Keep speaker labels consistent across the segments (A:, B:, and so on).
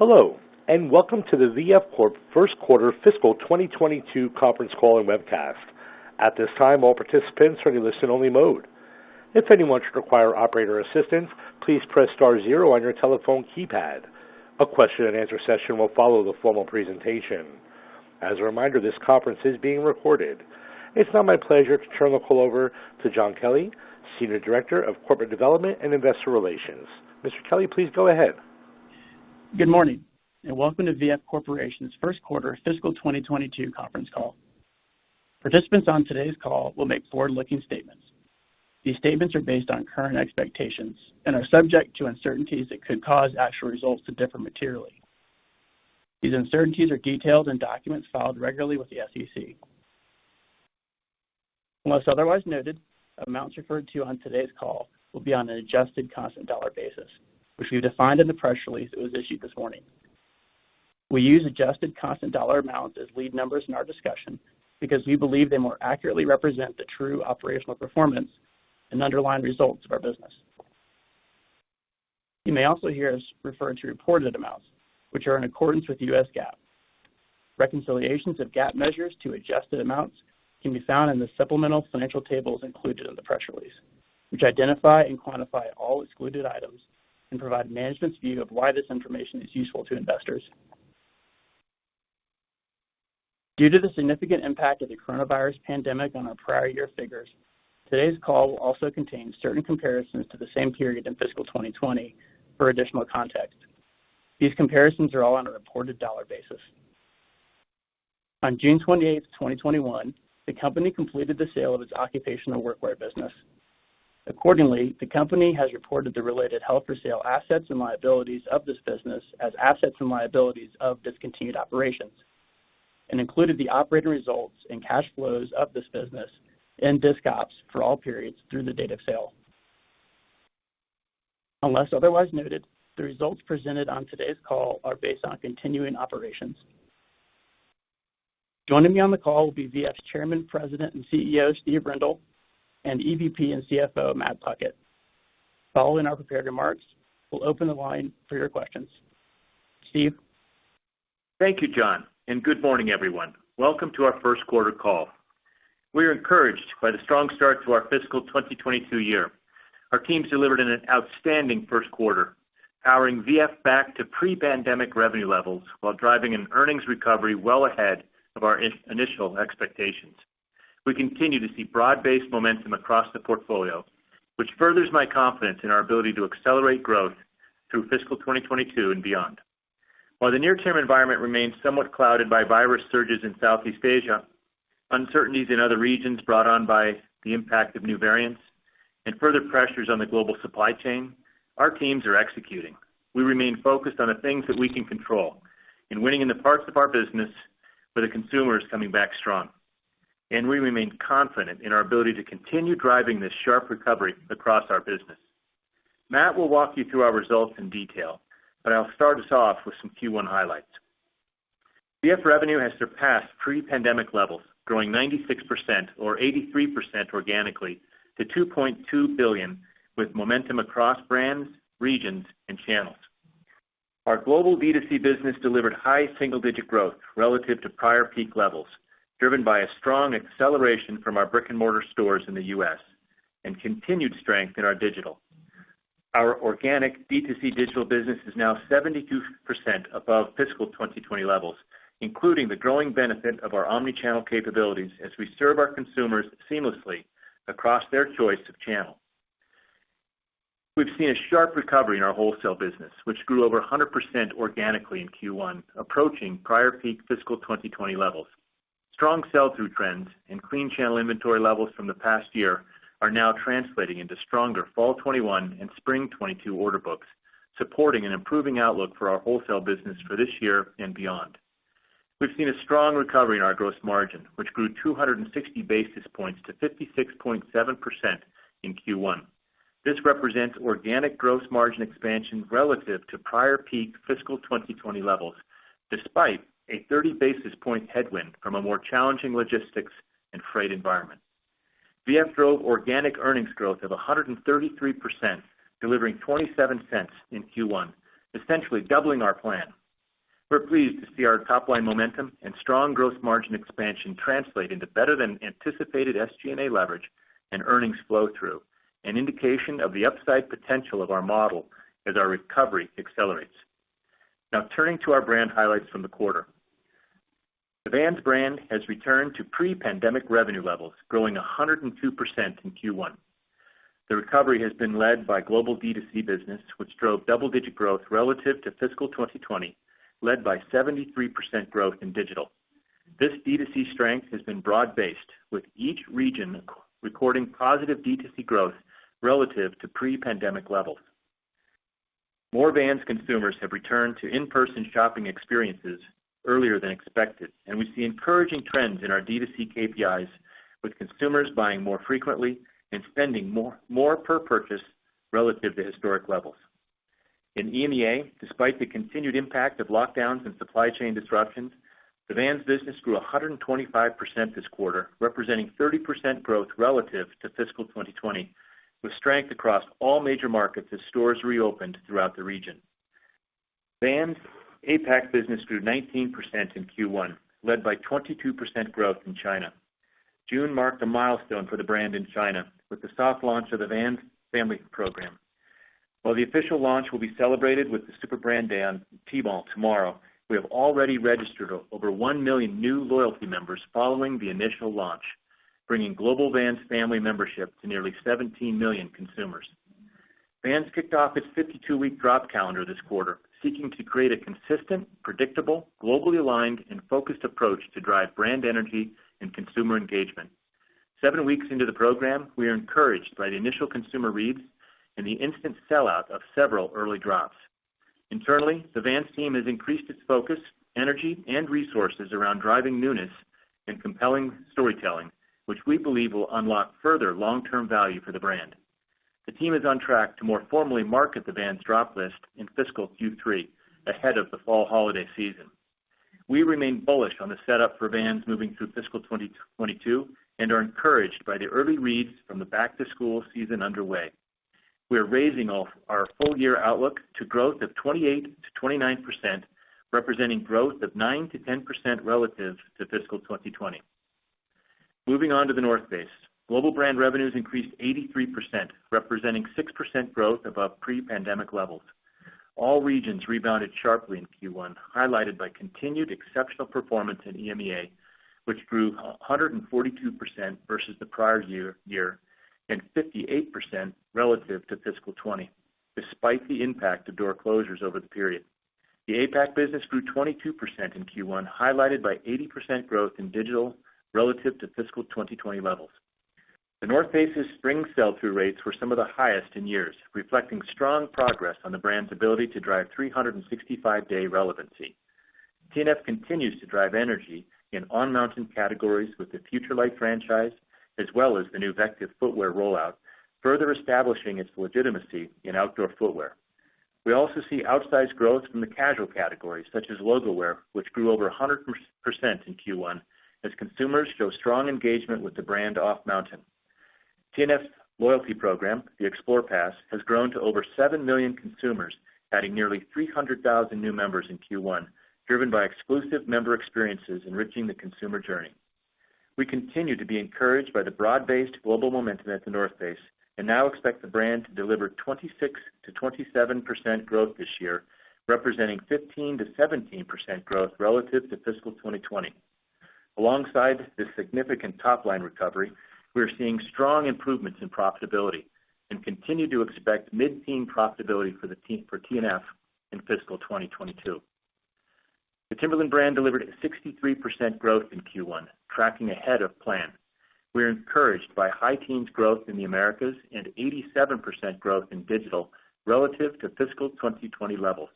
A: Hello, and welcome to the V.F. Corp first quarter fiscal 2022 conference call and webcast. At this time, all participants are in listen only mode. If anyone should require operator assistance, please press star zero on your telephone keypad. A Q&A session will follow the formal presentation. As a reminder, this conference is being recorded. It's now my pleasure to turn the call over to John Kelley, Senior Director of Corporate Development and Investor Relations. Mr. Kelley, please go ahead.
B: Good morning, and welcome to V.F. Corporation's first quarter fiscal 2022 conference call. Participants on today's call will make forward-looking statements. These statements are based on current expectations and are subject to uncertainties that could cause actual results to differ materially. These uncertainties are detailed in documents filed regularly with the SEC. Unless otherwise noted, amounts referred to on today's call will be on an adjusted constant dollar basis, which we've defined in the press release that was issued this morning. We use adjusted constant dollar amounts as lead numbers in our discussion because we believe they more accurately represent the true operational performance and underlying results of our business. You may also hear us refer to reported amounts, which are in accordance with U.S. GAAP. Reconciliations of GAAP measures to adjusted amounts can be found in the supplemental financial tables included in the press release, which identify and quantify all excluded items and provide management's view of why this information is useful to investors. Due to the significant impact of the coronavirus pandemic on our prior year figures, today's call will also contain certain comparisons to the same period in fiscal 2020 for additional context. These comparisons are all on a reported dollar basis. On June 28th, 2021, the company completed the sale of its occupational workwear business. Accordingly, the company has reported the related held-for-sale assets and liabilities of this business as assets and liabilities of discontinued operations, and included the operating results and cash flows of this business in discontinued operations for all periods through the date of sale. Unless otherwise noted, the results presented on today's call are based on continuing operations. Joining me on the call will be V.F.'s Chairman, President, and CEO, Steve Rendle, and EVP and CFO, Matt Puckett. Following our prepared remarks, we'll open the line for your questions. Steve?
C: Thank you, John. Good morning, everyone. Welcome to our first quarter call. We are encouraged by the strong start to our fiscal 2022 year. Our teams delivered in an outstanding first quarter, powering V.F. back to pre-pandemic revenue levels while driving an earnings recovery well ahead of our initial expectations. We continue to see broad-based momentum across the portfolio, which furthers my confidence in our ability to accelerate growth through fiscal 2022 and beyond. While the near-term environment remains somewhat clouded by virus surges in Southeast Asia, uncertainties in other regions brought on by the impact of new variants, and further pressures on the global supply chain, our teams are executing. We remain focused on the things that we can control and winning in the parts of our business where the consumer is coming back strong, and we remain confident in our ability to continue driving this sharp recovery across our business. Matt will walk you through our results in detail, but I'll start us off with some Q1 highlights. V.F. revenue has surpassed pre-pandemic levels, growing 96%, or 83% organically, to $2.2 billion, with momentum across brands, regions, and channels. Our global D2C business delivered high single-digit growth relative to prior peak levels, driven by a strong acceleration from our brick-and-mortar stores in the U.S. and continued strength in our digital. Our organic D2C digital business is now 72% above fiscal 2020 levels, including the growing benefit of our omni-channel capabilities as we serve our consumers seamlessly across their choice of channel. We've seen a sharp recovery in our wholesale business, which grew over 100% organically in Q1, approaching prior peak fiscal 2020 levels. Strong sell-through trends and clean channel inventory levels from the past year are now translating into stronger fall 2021 and spring 2022 order books, supporting an improving outlook for our wholesale business for this year and beyond. We've seen a strong recovery in our gross margin, which grew 260 basis points to 56.7% in Q1. This represents organic gross margin expansion relative to prior peak fiscal 2020 levels, despite a 30 basis point headwind from a more challenging logistics and freight environment. V.F. drove organic earnings growth of 133%, delivering $0.27 in Q1, essentially doubling our plan. We're pleased to see our top-line momentum and strong gross margin expansion translate into better than anticipated SG&A leverage and earnings flow-through, an indication of the upside potential of our model as our recovery accelerates. Turning to our brand highlights from the quarter. The Vans brand has returned to pre-pandemic revenue levels, growing 102% in Q1. The recovery has been led by global D2C business, which drove double-digit growth relative to fiscal 2020, led by 73% growth in digital. This D2C strength has been broad-based, with each region recording positive D2C growth relative to pre-pandemic levels. More Vans consumers have returned to in-person shopping experiences earlier than expected, and we see encouraging trends in our D2C KPIs, with consumers buying more frequently and spending more per purchase relative to historic levels. In EMEA, despite the continued impact of lockdowns and supply chain disruptions, the Vans business grew 125% this quarter, representing 30% growth relative to fiscal 2020, with strength across all major markets as stores reopened throughout the region. Vans APAC business grew 19% in Q1, led by 22% growth in China. June marked a milestone for the brand in China, with the soft launch of the Vans Family program. While the official launch will be celebrated with the Super Brand Day Tmall tomorrow, we have already registered over one million new loyalty members following the initial launch, bringing global Vans Family membership to nearly 17 million consumers. Vans kicked off its 52-week drop calendar this quarter, seeking to create a consistent, predictable, globally aligned, and focused approach to drive brand energy and consumer engagement. Seven weeks into the program, we are encouraged by the initial consumer reads and the instant sellout of several early drops. Internally, the Vans team has increased its focus, energy, and resources around driving newness and compelling storytelling, which we believe will unlock further long-term value for the brand. The team is on track to more formally market the Vans drop list in fiscal Q3, ahead of the fall holiday season. We remain bullish on the setup for Vans moving through fiscal 2022 and are encouraged by the early reads from the back-to-school season underway. We are raising our full-year outlook to growth of 28%-29%, representing growth of 9%-10% relative to fiscal 2020. Moving on to The North Face. Global brand revenues increased 83%, representing 6% growth above pre-pandemic levels. All regions rebounded sharply in Q1, highlighted by continued exceptional performance in EMEA, which grew 142% versus the prior year, and 58% relative to fiscal 2020, despite the impact of door closures over the period. The APAC business grew 22% in Q1, highlighted by 80% growth in digital relative to fiscal 2020 levels. The North Face's spring sell-through rates were some of the highest in years, reflecting strong progress on the brand's ability to drive 365-day relevancy. TNF continues to drive energy in on-mountain categories with the FUTURELIGHT franchise, as well as the new VECTIV footwear rollout, further establishing its legitimacy in outdoor footwear. We also see outsized growth from the casual categories such as logowear, which grew over 100% in Q1 as consumers show strong engagement with the brand off-mountain. TNF's loyalty program, the XPLR Pass, has grown to over seven million consumers, adding nearly 300,000 new members in Q1, driven by exclusive member experiences enriching the consumer journey. We continue to be encouraged by the broad-based global momentum at The North Face and now expect the brand to deliver 26%-27% growth this year, representing 15%-17% growth relative to fiscal 2020. Alongside this significant top-line recovery, we are seeing strong improvements in profitability and continue to expect mid-teen profitability for TNF in fiscal 2022. The Timberland brand delivered a 63% growth in Q1, tracking ahead of plan. We are encouraged by high teens growth in the Americas and 87% growth in digital relative to fiscal 2020 levels.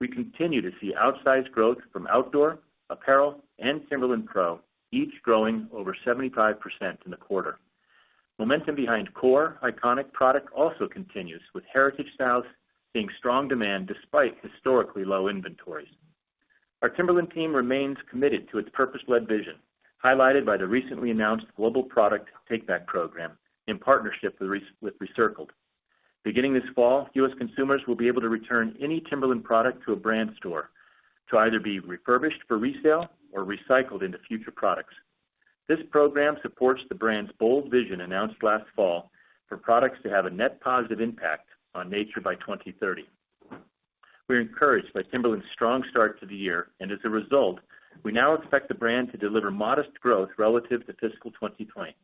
C: We continue to see outsized growth from outdoor, apparel, and Timberland PRO, each growing over 75% in the quarter. Momentum behind core iconic product also continues, with heritage styles seeing strong demand despite historically low inventories. Our Timberland team remains committed to its purpose-led vision, highlighted by the recently announced global product take-back program in partnership with ReCircled. Beginning this fall, U.S. consumers will be able to return any Timberland product to a brand store to either be refurbished for resale or recycled into future products. This program supports the brand's bold vision announced last fall for products to have a net positive impact on nature by 2030. We are encouraged by Timberland's strong start to the year, and as a result, we now expect the brand to deliver modest growth relative to fiscal 2020,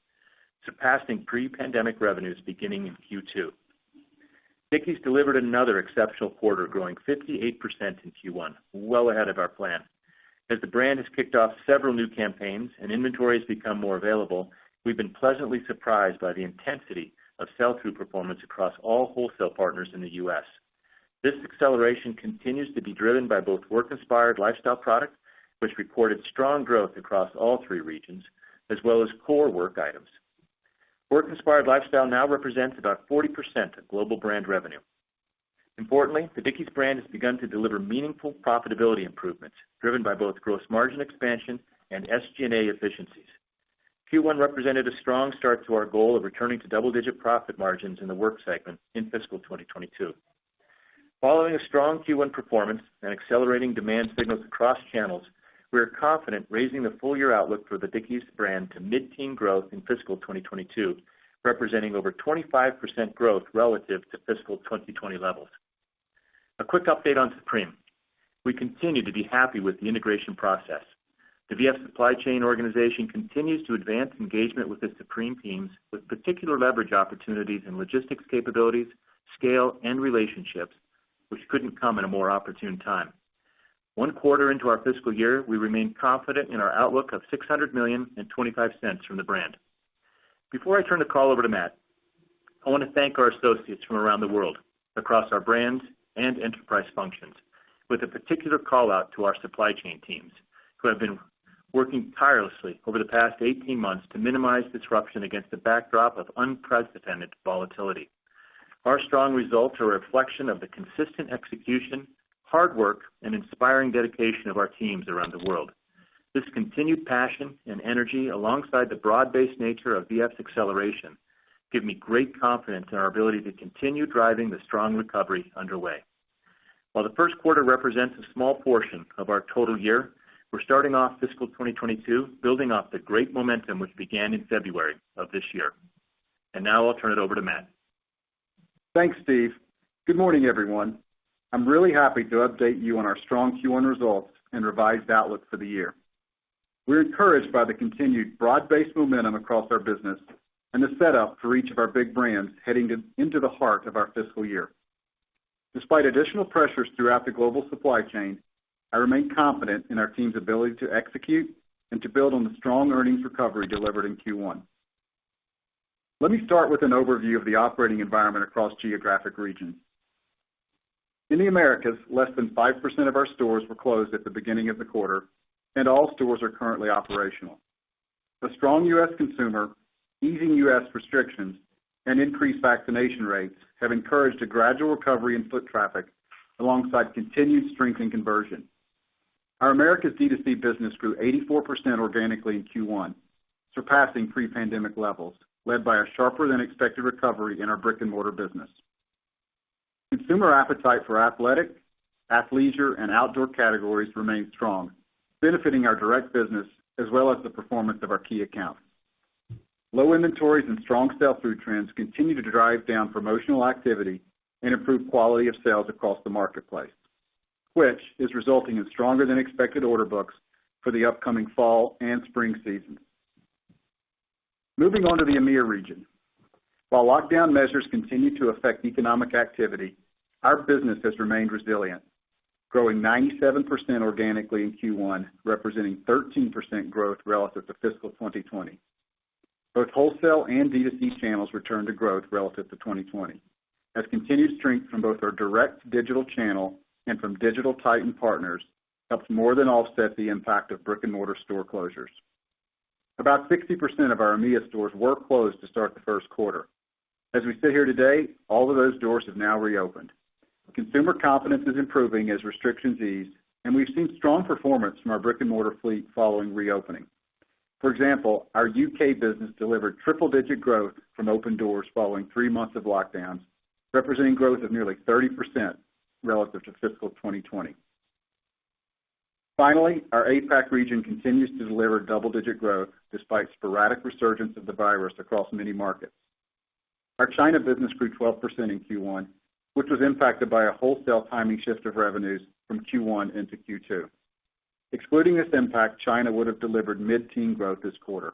C: surpassing pre-pandemic revenues beginning in Q2. Dickies delivered another exceptional quarter, growing 58% in Q1, well ahead of our plan. As the brand has kicked off several new campaigns and inventory has become more available, we've been pleasantly surprised by the intensity of sell-through performance across all wholesale partners in the U.S. This acceleration continues to be driven by both work-inspired lifestyle product, which reported strong growth across all three regions, as well as core work items. Work-inspired lifestyle now represents about 40% of global brand revenue. Importantly, the Dickies brand has begun to deliver meaningful profitability improvements driven by both gross margin expansion and SG&A efficiencies. Q1 represented a strong start to our goal of returning to double-digit profit margins in the work segment in fiscal 2022. Following a strong Q1 performance and accelerating demand signals across channels, we are confident raising the full-year outlook for the Dickies brand to mid-teen growth in fiscal 2022, representing over 25% growth relative to fiscal 2020 levels. A quick update on Supreme. We continue to be happy with the integration process. The V.F. supply chain organization continues to advance engagement with the Supreme teams with particular leverage opportunities in logistics capabilities, scale, and relationships, which couldn't come at a more opportune time. One quarter into our fiscal year, we remain confident in our outlook of $600 million and $0.25 from the brand. Before I turn the call over to Matt, I want to thank our associates from around the world, across our brands and enterprise functions, with a particular call-out to our supply chain teams, who have been working tirelessly over the past 18 months to minimize disruption against the backdrop of unprecedented volatility. Our strong results are a reflection of the consistent execution, hard work, and inspiring dedication of our teams around the world. This continued passion and energy, alongside the broad-based nature of V.F.'s acceleration, give me great confidence in our ability to continue driving the strong recovery underway. While the first quarter represents a small portion of our total year, we're starting off fiscal 2022 building off the great momentum which began in February of this year. Now I'll turn it over to Matt.
D: Thanks, Steve. Good morning, everyone. I'm really happy to update you on our strong Q1 results and revised outlook for the year. We're encouraged by the continued broad-based momentum across our business and the setup for each of our big brands heading into the heart of our fiscal year. Despite additional pressures throughout the global supply chain, I remain confident in our team's ability to execute and to build on the strong earnings recovery delivered in Q1. Let me start with an overview of the operating environment across geographic regions. In the Americas, less than 5% of our stores were closed at the beginning of the quarter. All stores are currently operational. A strong U.S. consumer, easing U.S. restrictions, and increased vaccination rates have encouraged a gradual recovery in foot traffic alongside continued strength in conversion. Our Americas D2C business grew 84% organically in Q1, surpassing pre-pandemic levels, led by a sharper-than-expected recovery in our brick-and-mortar business. Consumer appetite for athletic, athleisure, and outdoor categories remained strong, benefiting our direct business as well as the performance of our key accounts. Low inventories and strong sell-through trends continue to drive down promotional activity and improve quality of sales across the marketplace, which is resulting in stronger than expected order books for the upcoming fall and spring seasons. Moving on to the EMEA region. While lockdown measures continue to affect economic activity, our business has remained resilient, growing 97% organically in Q1, representing 13% growth relative to fiscal 2020. Both wholesale and D2C channels returned to growth relative to 2020, as continued strength from both our direct digital channel and from digital titan partners helped more than offset the impact of brick-and-mortar store closures. About 60% of our EMEA stores were closed to start the first quarter. As we sit here today, all of those doors have now reopened. Consumer confidence is improving as restrictions ease, we've seen strong performance from our brick-and-mortar fleet following reopening. For example, our U.K. business delivered triple-digit growth from open doors following three months of lockdowns, representing growth of nearly 30% relative to fiscal 2020. Finally, our APAC region continues to deliver double-digit growth despite sporadic resurgence of the virus across many markets. Our China business grew 12% in Q1, which was impacted by a wholesale timing shift of revenues from Q1 into Q2. Excluding this impact, China would have delivered mid-teen growth this quarter.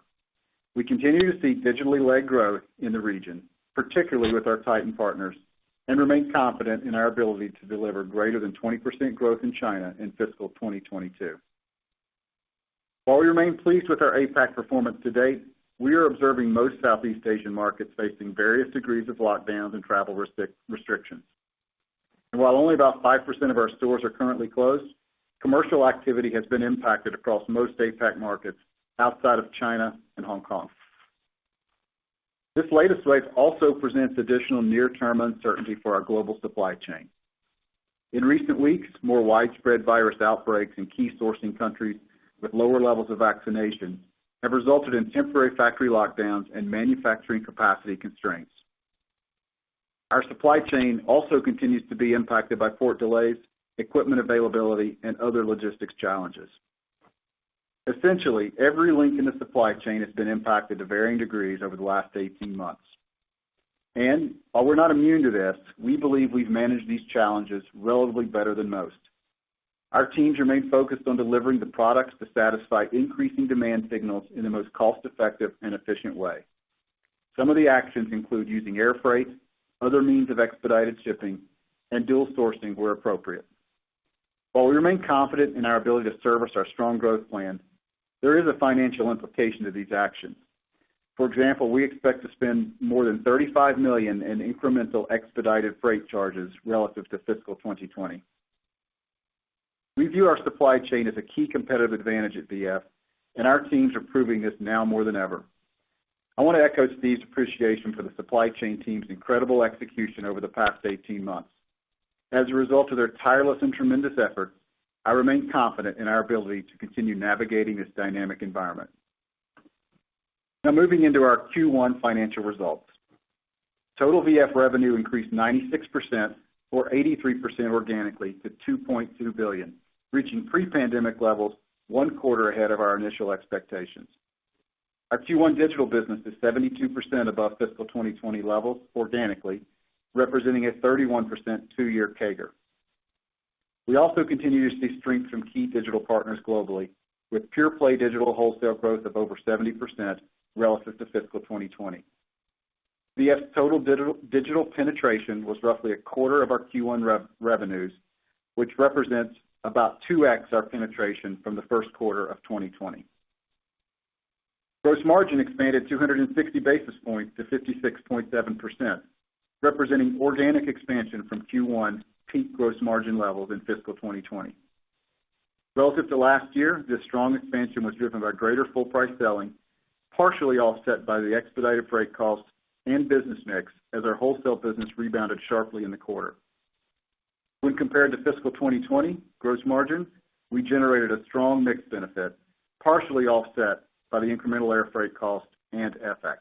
D: We continue to see digitally led growth in the region, particularly with our titan partners, remain confident in our ability to deliver greater than 20% growth in China in fiscal 2022. While we remain pleased with our APAC performance to date, we are observing most Southeast Asian markets facing various degrees of lockdowns and travel restrictions. While only about 5% of our stores are currently closed, commercial activity has been impacted across most APAC markets outside of China and Hong Kong. This latest wave also presents additional near-term uncertainty for our global supply chain. In recent weeks, more widespread virus outbreaks in key sourcing countries with lower levels of vaccination have resulted in temporary factory lockdowns and manufacturing capacity constraints. Our supply chain also continues to be impacted by port delays, equipment availability, and other logistics challenges. Essentially, every link in the supply chain has been impacted to varying degrees over the last 18 months. While we're not immune to this, we believe we've managed these challenges relatively better than most. Our teams remain focused on delivering the products to satisfy increasing demand signals in the most cost-effective and efficient way. Some of the actions include using air freight, other means of expedited shipping, and dual sourcing where appropriate. While we remain confident in our ability to service our strong growth plans, there is a financial implication to these actions. For example, we expect to spend more than $35 million in incremental expedited freight charges relative to fiscal 2020. We view our supply chain as a key competitive advantage at V.F., and our teams are proving this now more than ever. I want to echo Steve's appreciation for the supply chain team's incredible execution over the past 18 months. As a result of their tireless and tremendous effort, I remain confident in our ability to continue navigating this dynamic environment. Now moving into our Q1 financial results. Total V.F. revenue increased 96%, or 83% organically, to $2.2 billion, reaching pre-pandemic levels one quarter ahead of our initial expectations. Our Q1 digital business is 72% above fiscal 2020 levels organically, representing a 31% two-year CAGR. We also continue to see strength from key digital partners globally, with pure-play digital wholesale growth of over 70% relative to fiscal 2020. V.F.'s total digital penetration was roughly a quarter of our Q1 revenues, which represents about 2x our penetration from the first quarter of 2020. Gross margin expanded 260 basis points to 56.7%, representing organic expansion from Q1 peak gross margin levels in fiscal 2020. Relative to last year, this strong expansion was driven by greater full-price selling, partially offset by the expedited freight costs and business mix as our wholesale business rebounded sharply in the quarter. When compared to fiscal 2020 gross margin, we generated a strong mix benefit, partially offset by the incremental air freight cost and FX.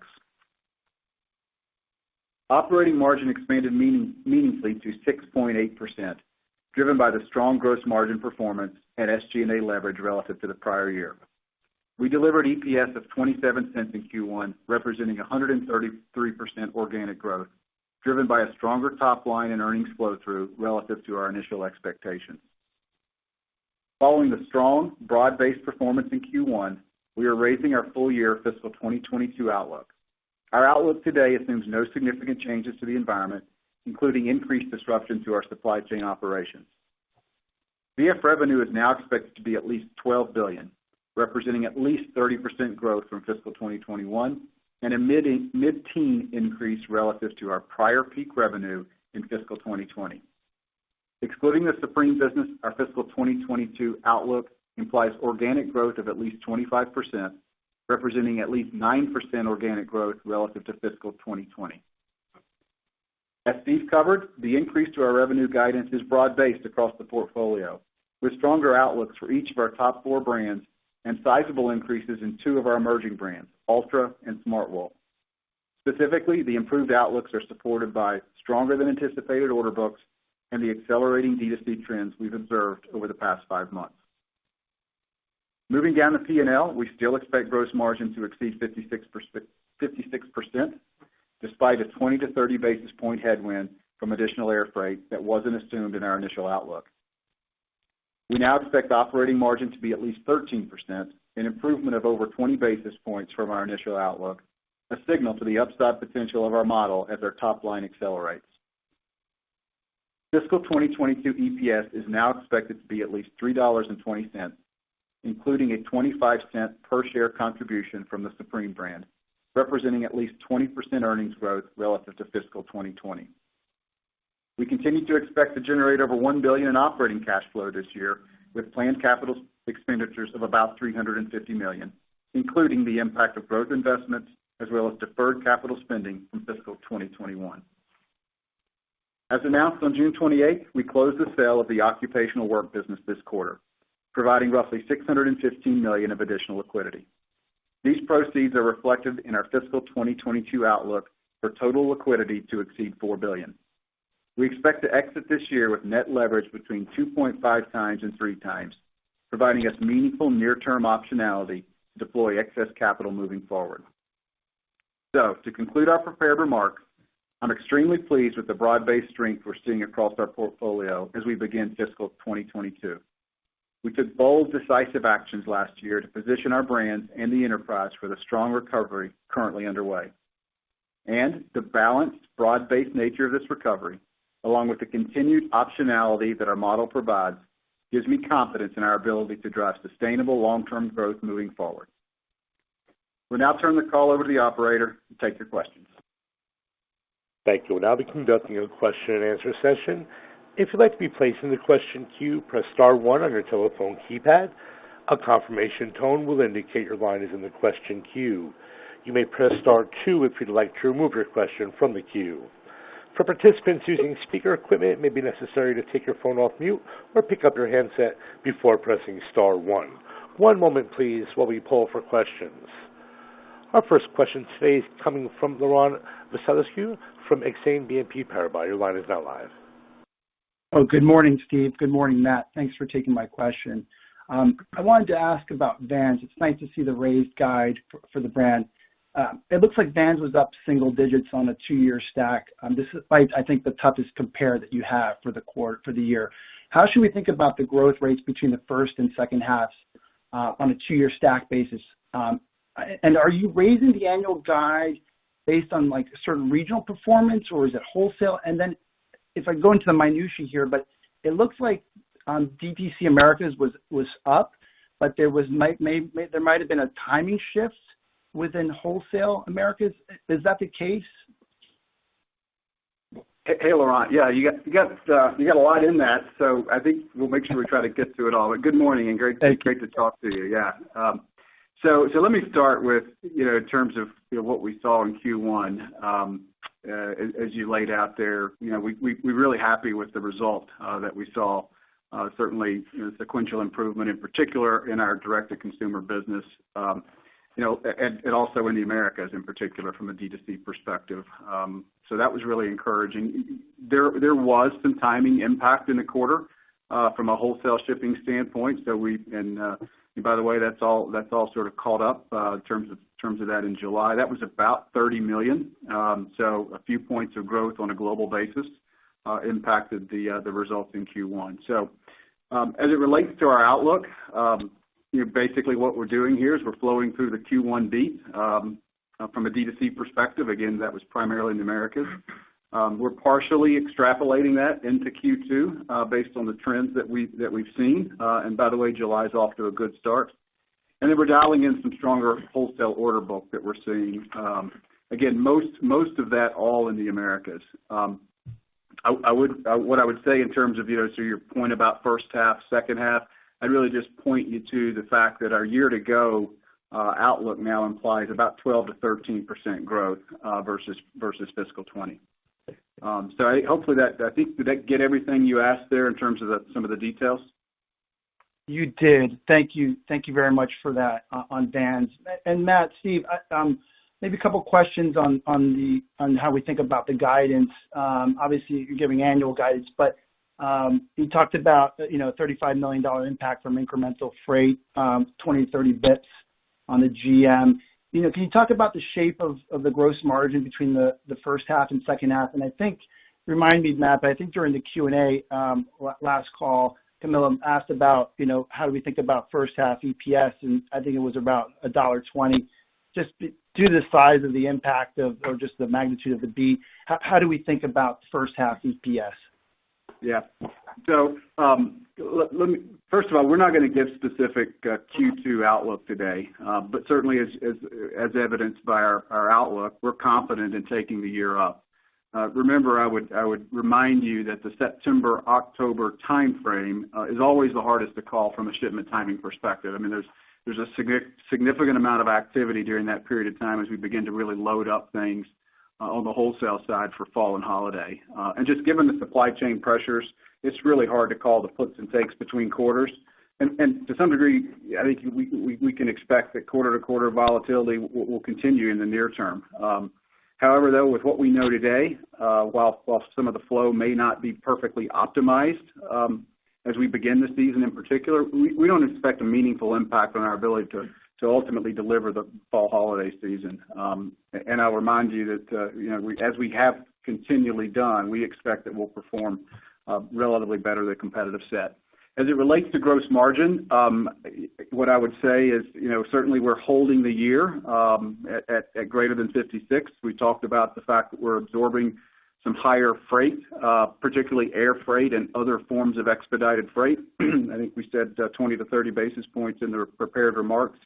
D: Operating margin expanded meaningfully to 6.8%, driven by the strong gross margin performance and SG&A leverage relative to the prior year. We delivered EPS of $0.27 in Q1, representing 133% organic growth, driven by a stronger top line and earnings flow-through relative to our initial expectations. Following the strong, broad-based performance in Q1, we are raising our full year fiscal 2022 outlook. Our outlook today assumes no significant changes to the environment, including increased disruption to our supply chain operations. V.F. revenue is now expected to be at least $12 billion, representing at least 30% growth from fiscal 2021, and a mid-teen increase relative to our prior peak revenue in fiscal 2020. Excluding the Supreme business, our fiscal 2022 outlook implies organic growth of at least 25%, representing at least 9% organic growth relative to fiscal 2020. As Steve covered, the increase to our revenue guidance is broad-based across the portfolio with stronger outlooks for each of our top four brands and sizable increases in two of our emerging brands, Altra and Smartwool. Specifically, the improved outlooks are supported by stronger than anticipated order books and the accelerating D2C trends we've observed over the past five months. Moving down to P&L, we still expect gross margin to exceed 56%, despite a 20 basis point-30 basis point headwind from additional air freight that wasn't assumed in our initial outlook. We now expect operating margin to be at least 13%, an improvement of over 20 basis points from our initial outlook, a signal to the upside potential of our model as our top line accelerates. Fiscal 2022 EPS is now expected to be at least $3.20, including a $0.25 per share contribution from the Supreme brand, representing at least 20% earnings growth relative to fiscal 2020. We continue to expect to generate over $1 billion in operating cash flow this year, with planned capital expenditures of about $350 million, including the impact of growth investments, as well as deferred capital spending from fiscal 2021. As announced on June 28th, we closed the sale of the occupational work business this quarter, providing roughly $615 million of additional liquidity. These proceeds are reflected in our fiscal 2022 outlook for total liquidity to exceed $4 billion. We expect to exit this year with net leverage between 2.5x and 3x, providing us meaningful near-term optionality to deploy excess capital moving forward. To conclude our prepared remarks, I'm extremely pleased with the broad-based strength we're seeing across our portfolio as we begin fiscal 2022. We took bold, decisive actions last year to position our brands and the enterprise for the strong recovery currently underway. The balanced, broad-based nature of this recovery, along with the continued optionality that our model provides, gives me confidence in our ability to drive sustainable long-term growth moving forward. We'll now turn the call over to the operator to take your questions.
A: Thank you. We'll now be conducting a Q&A session. If you'd like to be placed in question queue, press star one on your telephone keypad. A confirmation tone will then dictate your line is in the question queue. You may press star two if you'd like to remove your question from the queue. For participants using speaker equipment, it may be necessary to take your phone off mute or pick up your handset before pressing star one. One moment please while we poll for questions. Our first question today is coming from Laurent Vasilescu from Exane BNP Paribas. Your line is now live.
E: Oh, good morning, Steve. Good morning, Matt. Thanks for taking my question. I wanted to ask about Vans. It's nice to see the raised guide for the brand. It looks like Vans was up single digits on a two-year stack. This is, I think, the toughest compare that you have for the year. How should we think about the growth rates between the first and second halves, on a two-year stack basis? Are you raising the annual guide based on certain regional performance, or is it wholesale? Then if I can go into the minutiae here, but it looks like DTC Americas was up, but there might have been a timing shift within wholesale Americas. Is that the case?
D: Hey, Laurent. Yeah, you got a lot in that. I think we'll make sure we try to get through it all. Good morning and great to talk to you. Yeah. Let me start with in terms of what we saw in Q1. As you laid out there, we're really happy with the result that we saw. Certainly, sequential improvement in particular in our direct-to-consumer business, and also in the Americas in particular from a D2C perspective. That was really encouraging. There was some timing impact in the quarter, from a wholesale shipping standpoint. By the way, that's all sort of caught up in terms of that in July. That was about $30 million. A few points of growth on a global basis impacted the results in Q1. As it relates to our outlook, basically what we're doing here is we're flowing through the Q1 beat from a D2C perspective. Again, that was primarily in the Americas. We're partially extrapolating that into Q2 based on the trends that we've seen. By the way, July is off to a good start. Then we're dialing in some stronger wholesale order book that we're seeing. Again, most of that all in the Americas. What I would say in terms of, to your point about first half, second half, I'd really just point you to the fact that our year-to-go outlook now implies about 12%-13% growth versus fiscal 2020. Did that get everything you asked there in terms of some of the details?
E: You did. Thank you. Thank you very much for that on Vans. Matt, Steve, maybe a couple questions on how we think about the guidance. Obviously, you're giving annual guidance, but you talked about a $35 million impact from incremental freight, 20-30 bps on the GM. Can you talk about the shape of the gross margin between the first half and second half? Remind me, Matt, but I think during the Q&A last call, Camilo asked about how do we think about first half EPS, and I think it was about $1.20. Just due to the size of the impact or just the magnitude of the beat, how do we think about first half EPS?
D: Yeah. First of all, we're not going to give specific Q2 outlook today. Certainly as evidenced by our outlook, we're confident in taking the year up. Remember, I would remind you that the September-October timeframe is always the hardest to call from a shipment timing perspective. There's a significant amount of activity during that period of time as we begin to really load up things on the wholesale side for fall and holiday. Just given the supply chain pressures, it's really hard to call the flips and takes between quarters. To some degree, I think we can expect that quarter-to-quarter volatility will continue in the near term. However, though, with what we know today, while some of the flow may not be perfectly optimized as we begin the season in particular, we don't expect a meaningful impact on our ability to ultimately deliver the fall holiday season. I'll remind you that, as we have continually done, we expect that we'll perform relatively better than competitive set. As it relates to gross margin, what I would say is, certainly we're holding the year at greater than 56%. We talked about the fact that we're absorbing some higher freight, particularly air freight and other forms of expedited freight. I think we said 20 basis points-30 basis points in the prepared remarks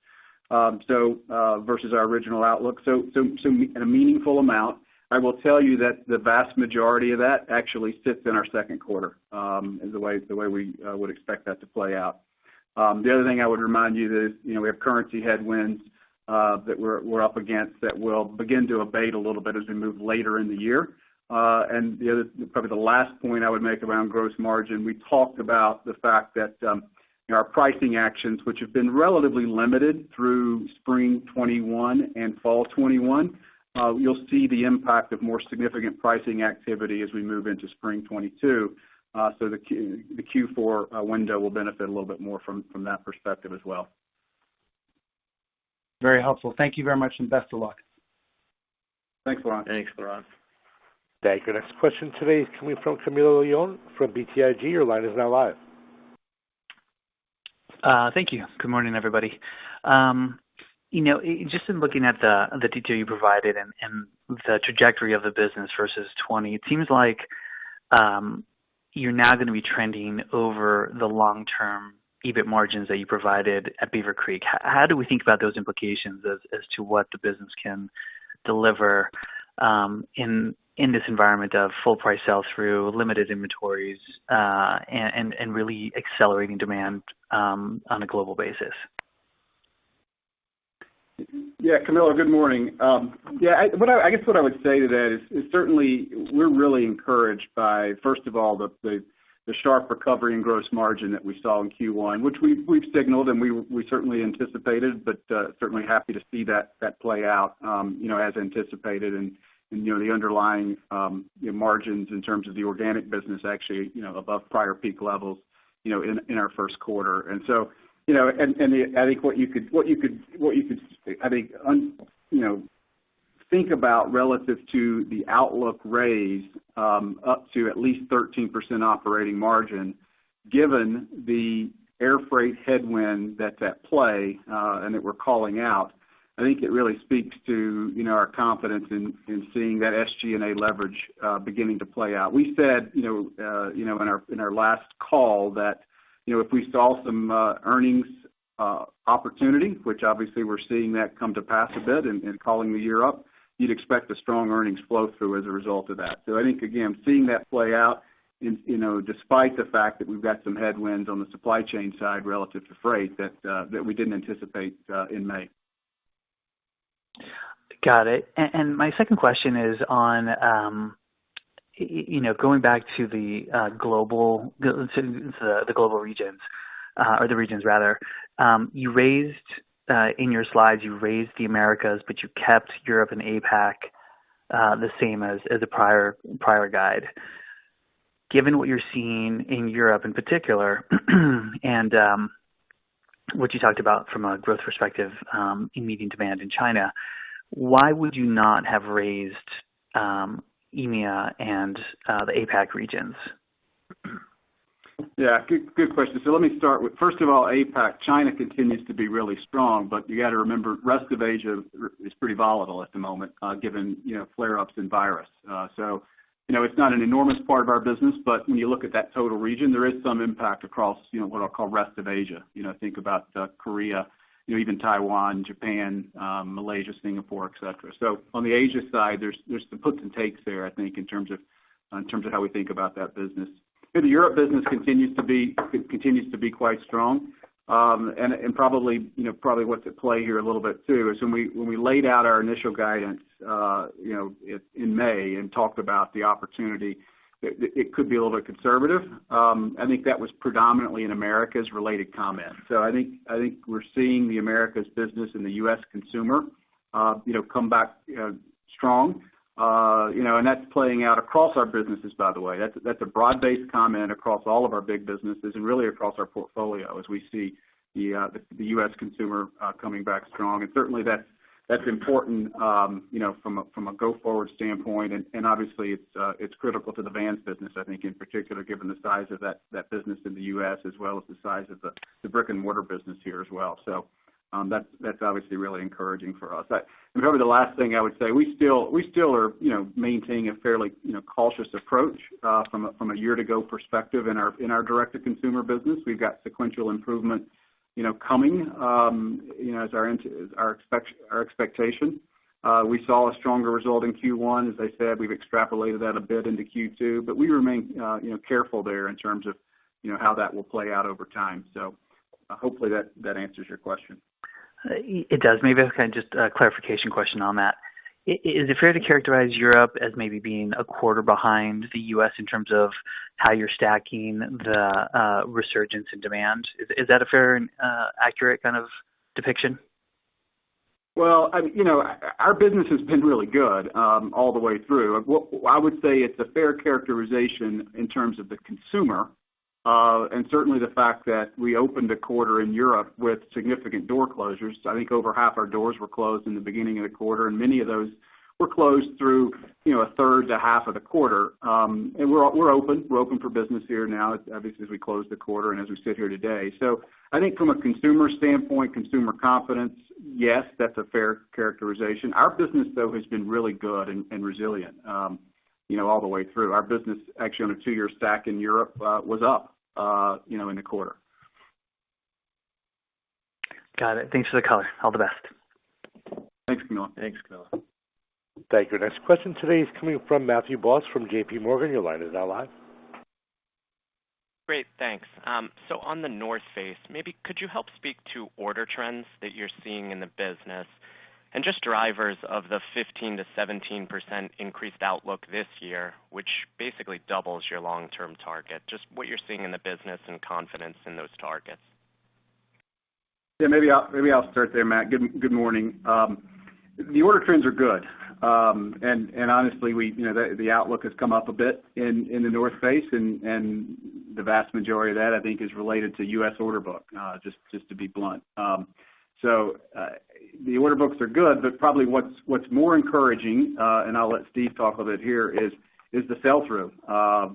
D: versus our original outlook. A meaningful amount. I will tell you that the vast majority of that actually sits in our second quarter, is the way we would expect that to play out. The other thing I would remind you is, we have currency headwinds that we're up against that will begin to abate a little bit as we move later in the year. The other, probably the last point I would make around gross margin, we talked about the fact that our pricing actions, which have been relatively limited through spring 2021 and fall 2021, you'll see the impact of more significant pricing activity as we move into spring 2022. The Q4 window will benefit a little bit more from that perspective as well.
E: Very helpful. Thank you very much, and best of luck.
D: Thanks, Laurent.
C: Thanks, Laurent.
A: Thank you. Next question today is coming from Camilo Lyon from BTIG. Your line is now live.
F: Thank you. Good morning, everybody. Just in looking at the detail you provided and the trajectory of the business versus 2020, it seems like you're now going to be trending over the long-term EBIT margins that you provided at Beaver Creek. How do we think about those implications as to what the business can deliver in this environment of full price sell-through, limited inventories, and really accelerating demand on a global basis?
D: Yeah, Camilo, good morning. I guess what I would say to that is certainly we're really encouraged by, first of all, the sharp recovery in gross margin that we saw in Q1, which we've signaled and we certainly anticipated, but certainly happy to see that play out as anticipated. The underlying margins in terms of the organic business actually above prior peak levels in our first quarter. I think what you could- think about relative to the outlook raise up to at least 13% operating margin given the air freight headwind that's at play and that we're calling out, I think it really speaks to our confidence in seeing that SG&A leverage beginning to play out. We said in our last call that if we saw some earnings opportunity, which obviously we're seeing that come to pass a bit and calling the year up, you'd expect a strong earnings flow through as a result of that. I think, again, seeing that play out despite the fact that we've got some headwinds on the supply chain side relative to freight that we didn't anticipate in May.
F: Got it. My second question is on going back to the global regions. In your slides, you raised the Americas, but you kept Europe and APAC the same as the prior guide. Given what you're seeing in Europe in particular and what you talked about from a growth perspective in meeting demand in China, why would you not have raised EMEA and the APAC regions?
D: Yeah. Good question. Let me start with, first of all, APAC, China continues to be really strong, but you got to remember, rest of Asia is pretty volatile at the moment given flare-ups in virus. It's not an enormous part of our business, but when you look at that total region, there is some impact across what I'll call rest of Asia. Think about Korea, even Taiwan, Japan, Malaysia, Singapore, et cetera. On the Asia side, there's some puts and takes there, I think, in terms of how we think about that business. The Europe business continues to be quite strong. Probably what's at play here a little bit too is when we laid out our initial guidance in May and talked about the opportunity, it could be a little bit conservative. I think that was predominantly an Americas related comment. I think we're seeing the Americas business and the U.S. consumer come back strong. That's playing out across our businesses, by the way. That's a broad-based comment across all of our big businesses and really across our portfolio as we see the U.S. consumer coming back strong. Certainly that's important from a go-forward standpoint, and obviously it's critical to the Vans business, I think, in particular, given the size of that business in the U.S. as well as the size of the brick-and-mortar business here as well. That's obviously really encouraging for us. Probably the last thing I would say, we still are maintaining a fairly cautious approach from a year-to-go perspective in our direct-to-consumer business. We've got sequential improvement coming as our expectation. We saw a stronger result in Q1. As I said, we've extrapolated that a bit into Q2. We remain careful there in terms of how that will play out over time. Hopefully that answers your question.
F: It does. Maybe I have just a clarification question on that. Is it fair to characterize Europe as maybe being a quarter behind the U.S. in terms of how you're stacking the resurgence in demand? Is that a fair and accurate depiction?
D: Well, our business has been really good all the way through. I would say it's a fair characterization in terms of the consumer. Certainly the fact that we opened a quarter in Europe with significant door closures. I think over half our doors were closed in the beginning of the quarter, and many of those were closed through a third to half of the quarter. We're open for business here now, obviously, as we close the quarter and as we sit here today. I think from a consumer standpoint, consumer confidence, yes, that's a fair characterization. Our business, though, has been really good and resilient all the way through. Our business actually on a two-year stack in Europe was up in the quarter.
F: Got it. Thanks for the color. All the best.
D: Thanks, Camilo.
A: Thank you. Our next question today is coming from Matthew Boss from JPMorgan. Your line is now live.
G: Great. Thanks. On The North Face, maybe could you help speak to order trends that you're seeing in the business and just drivers of the 15%-17% increased outlook this year, which basically doubles your long-term target. Just what you're seeing in the business and confidence in those targets.
D: Yeah, maybe I'll start there, Matt. Good morning. The order trends are good. Honestly, the outlook has come up a bit in The North Face, and the vast majority of that, I think, is related to U.S. order book, just to be blunt. The order books are good, but probably what's more encouraging, and I'll let Steve talk a bit here, is the sell-through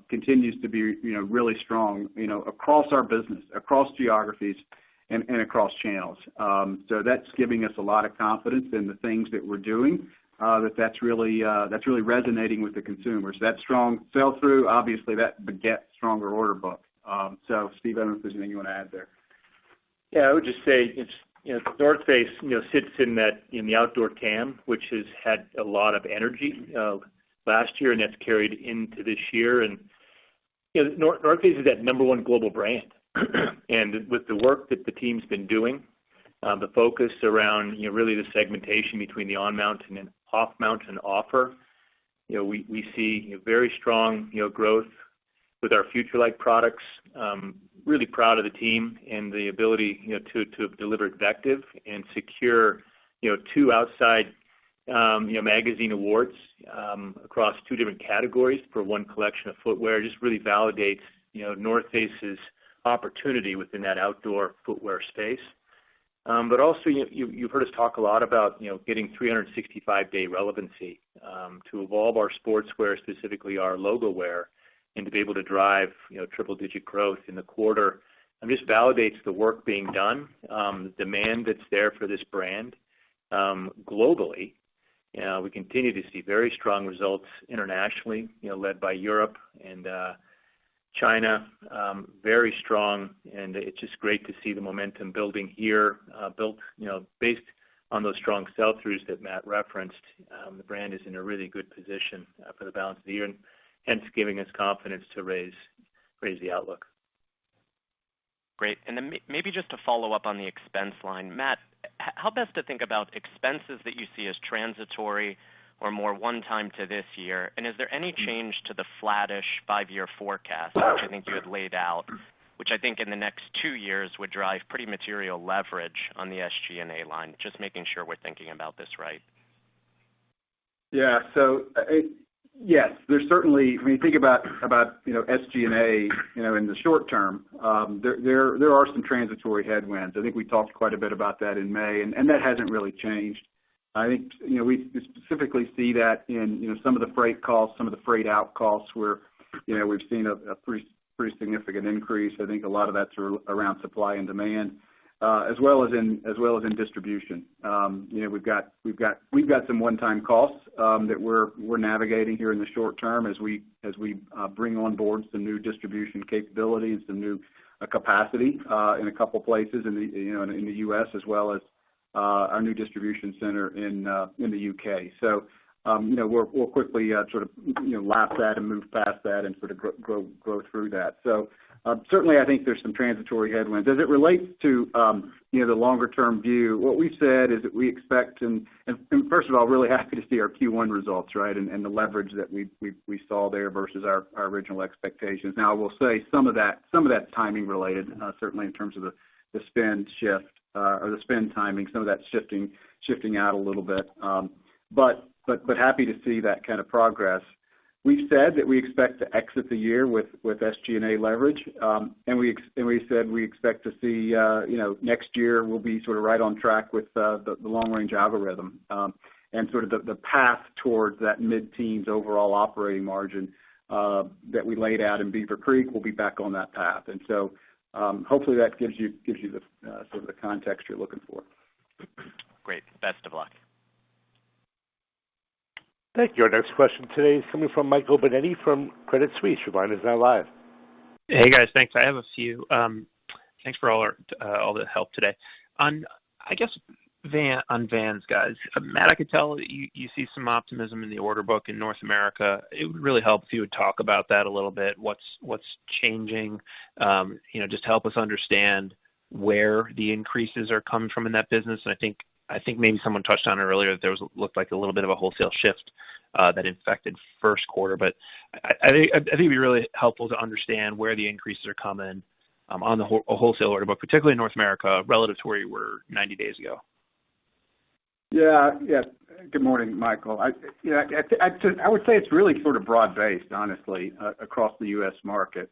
D: continues to be really strong across our business, across geographies, and across channels. That's giving us a lot of confidence in the things that we're doing that's really resonating with the consumers. That strong sell-through, obviously, that begets stronger order book. Steve, I don't know if there's anything you want to add there.
C: Yeah, I would just say The North Face sits in the outdoor camp, which has had a lot of energy last year, and that's carried into this year. The North Face is that number one global brand. With the work that the team's been doing, the focus around really the segmentation between the on-mountain and off-mountain offer, we see very strong growth with our FUTURELIGHT products. Really proud of the team and the ability to have delivered VECTIV and secure two Outside magazine awards across two different categories for one collection of footwear. Just really validates North Face's opportunity within that outdoor footwear space. Also, you've heard us talk a lot about getting 365-day relevancy to evolve our sportswear, specifically our logo wear, and to be able to drive triple-digit growth in the quarter. This validates the work being done, the demand that's there for this brand globally. We continue to see very strong results internationally led by Europe and China. Very strong. It's just great to see the momentum building here based on those strong sell-throughs that Matt referenced. The brand is in a really good position for the balance of the year, hence giving us confidence to raise the outlook.
G: Great. Maybe just to follow up on the expense line, Matt, how best to think about expenses that you see as transitory or more one time to this year? Is there any change to the flattish five-year forecast, which I think you had laid out, which I think in the next two years would drive pretty material leverage on the SG&A line? Just making sure we're thinking about this right.
D: Yes. When you think about SG&A in the short term, there are some transitory headwinds. I think we talked quite a bit about that in May, and that hasn't really changed. We specifically see that in some of the freight costs, some of the freight out costs, where we've seen a pretty significant increase. A lot of that's around supply and demand, as well as in distribution. We've got some one-time costs that we're navigating here in the short term as we bring on board some new distribution capabilities, some new capacity in a couple of places in the U.S., as well as our new distribution center in the U.K. We'll quickly sort of lap that and move past that and sort of grow through that. Certainly, there's some transitory headwinds. As it relates to the longer-term view, what we've said is that we expect, first of all, really happy to see our Q1 results, right? The leverage that we saw there versus our original expectations. Now, I will say some of that is timing related, certainly in terms of the spend shift or the spend timing. Some of that's shifting out a little bit. Happy to see that kind of progress. We've said that we expect to exit the year with SG&A leverage. We said, we expect to see next year we'll be sort of right on track with the long-range algorithm. Sort of the path towards that mid-teens overall operating margin that we laid out in Beaver Creek, we'll be back on that path. Hopefully that gives you sort of the context you're looking for.
G: Great. Best of luck.
A: Thank you. Our next question today is coming from Michael Binetti from Credit Suisse. Your line is now live.
H: Hey, guys. Thanks. I have a few. Thanks for all the help today. I guess, on Vans, guys. Matt, I could tell you see some optimism in the order book in North America. It would really help if you would talk about that a little bit. What's changing? Just help us understand where the increases are coming from in that business. I think maybe someone touched on it earlier, that there was looked like a little bit of a wholesale shift that infected first quarter. I think it'd be really helpful to understand where the increases are coming on the wholesale order book, particularly in North America, relative to where you were 90 days ago.
D: Yeah. Good morning, Michael. I would say it's really sort of broad-based, honestly, across the U.S. market.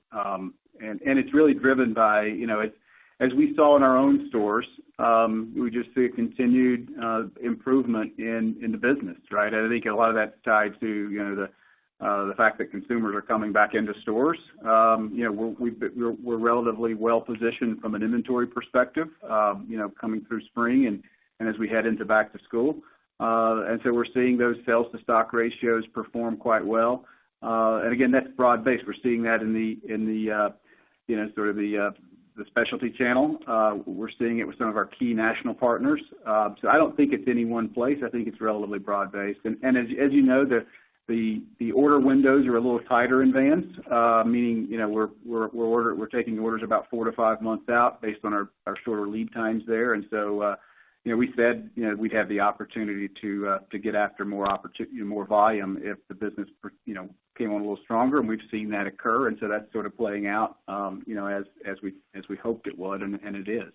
D: It's really driven by, as we saw in our own stores, we just see a continued improvement in the business, right? I think a lot of that's tied to the fact that consumers are coming back into stores. We're relatively well-positioned from an inventory perspective coming through spring and as we head into back to school. We're seeing those sales to stock ratios perform quite well. Again, that's broad-based. We're seeing that in the sort of the specialty channel. We're seeing it with some of our key national partners. I don't think it's any one place. I think it's relatively broad-based. As you know, the order windows are a little tighter in Vans. Meaning, we're taking orders about four to five months out based on our shorter lead times there. We said we'd have the opportunity to get after more volume if the business came on a little stronger, and we've seen that occur. That's sort of playing out as we hoped it would, and it is.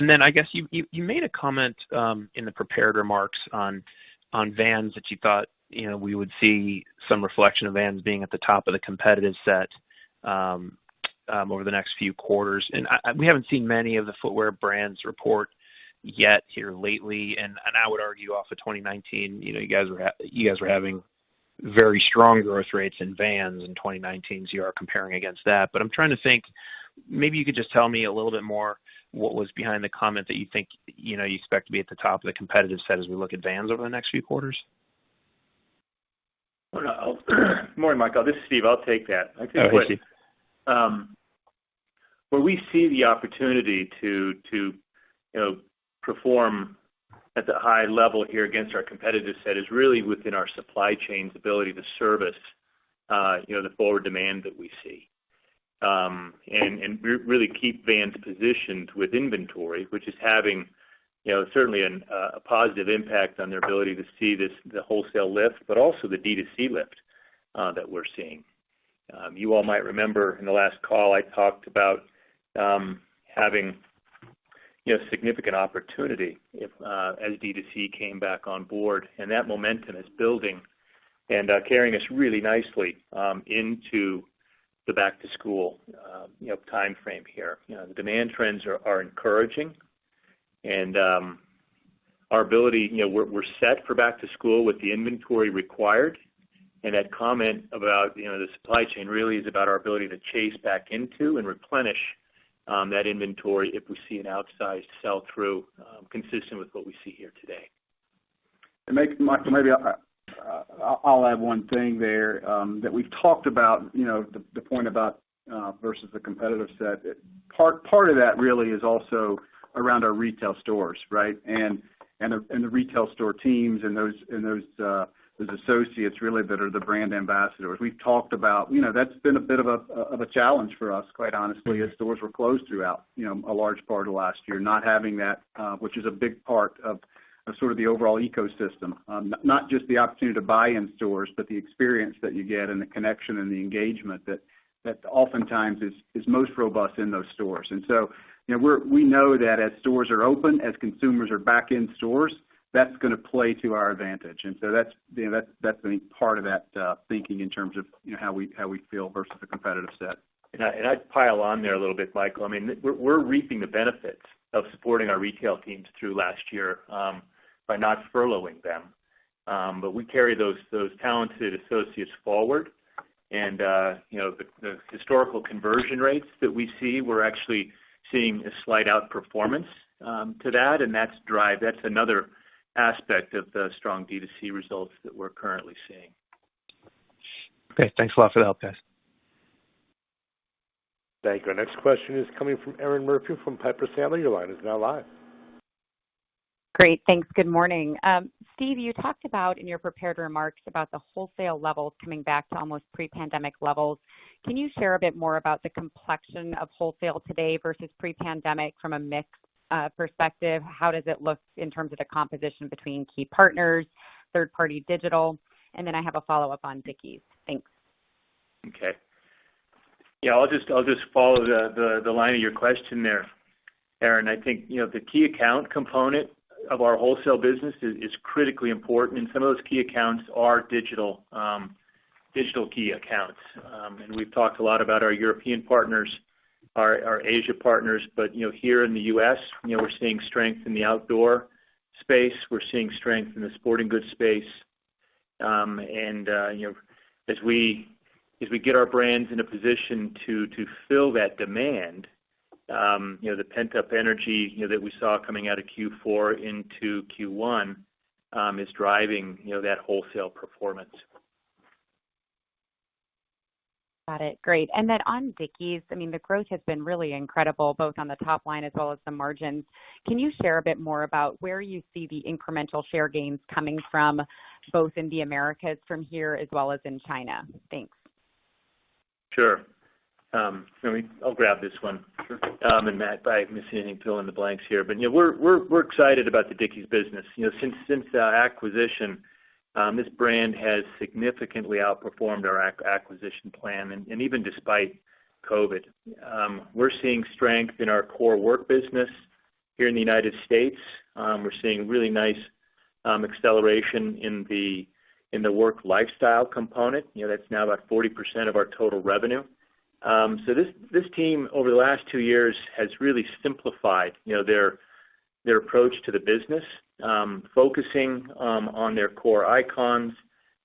H: I guess you made a comment in the prepared remarks on Vans that you thought we would see some reflection of Vans being at the top of the competitive set over the next few quarters. We haven't seen many of the footwear brands report yet here lately, I would argue off of 2019, you guys were having very strong growth rates in Vans in 2019, so you are comparing against that. I'm trying to think, maybe you could just tell me a little bit more what was behind the comment that you think you expect to be at the top of the competitive set as we look at Vans over the next few quarters?
C: Morning, Michael. This is Steve. I'll take that. Where we see the opportunity to perform at the high level here against our competitive set is really within our supply chain's ability to service the forward demand that we see. Really keep Vans positioned with inventory, which is having certainly a positive impact on their ability to see the wholesale lift, but also the D2C lift that we're seeing. You all might remember in the last call, I talked about having significant opportunity as D2C came back on board, that momentum is building and carrying us really nicely into the back to school timeframe here. The demand trends are encouraging, our ability, we're set for back to school with the inventory required. That comment about the supply chain really is about our ability to chase back into and replenish that inventory if we see an outsized sell-through consistent with what we see here today.
D: Michael, maybe I'll add one thing there that we've talked about, the point about versus the competitive set. Part of that really is also around our retail stores, right? The retail store teams and those associates really that are the brand ambassadors. We've talked about that's been a bit of a challenge for us, quite honestly, as stores were closed throughout a large part of last year, not having that which is a big part of sort of the overall ecosystem. Not just the opportunity to buy in stores, but the experience that you get and the connection and the engagement that oftentimes is most robust in those stores. We know that as stores are open, as consumers are back in stores, that's going to play to our advantage. That's part of that thinking in terms of how we feel versus the competitive set.
C: I'd pile on there a little bit, Michael. I mean, we're reaping the benefits of supporting our retail teams through last year by not furloughing them. We carry those talented associates forward. The historical conversion rates that we see, we're actually seeing a slight outperformance to that, and that's another aspect of the strong D2C results that we're currently seeing.
H: Okay. Thanks a lot for the help, guys.
A: Thank you. Our next question is coming from Erinn Murphy from Piper Sandler. Your line is now live.
I: Great. Thanks. Good morning. Steve, you talked about in your prepared remarks about the wholesale levels coming back to almost pre-pandemic levels. Can you share a bit more about the complexion of wholesale today versus pre-pandemic from a mix perspective? How does it look in terms of the composition between key partners, third party digital? Then I have a follow-up on Dickies. Thanks.
C: Okay. Yeah, I'll just follow the line of your question there, Erinn. I think the key account component of our wholesale business is critically important, and some of those key accounts are digital key accounts. We've talked a lot about our European partners, our Asia partners. Here in the U.S., we're seeing strength in the outdoor space, we're seeing strength in the sporting goods space. As we get our brands in a position to fill that demand, the pent-up energy that we saw coming out of Q4 into Q1 is driving that wholesale performance.
I: Got it. Great. On Dickies, the growth has been really incredible, both on the top line as well as the margins. Can you share a bit more about where you see the incremental share gains coming from, both in the Americas from here as well as in China? Thanks.
C: Sure. I'll grab this one.
D: Sure.
C: Matt, if I miss anything, fill in the blanks here. We're excited about the Dickies business. Since the acquisition, this brand has significantly outperformed our acquisition plan, even despite COVID. We're seeing strength in our core work business here in the United States. We're seeing really nice acceleration in the work lifestyle component. That's now about 40% of our total revenue. This team, over the last two years, has really simplified their approach to the business. Focusing on their core icons,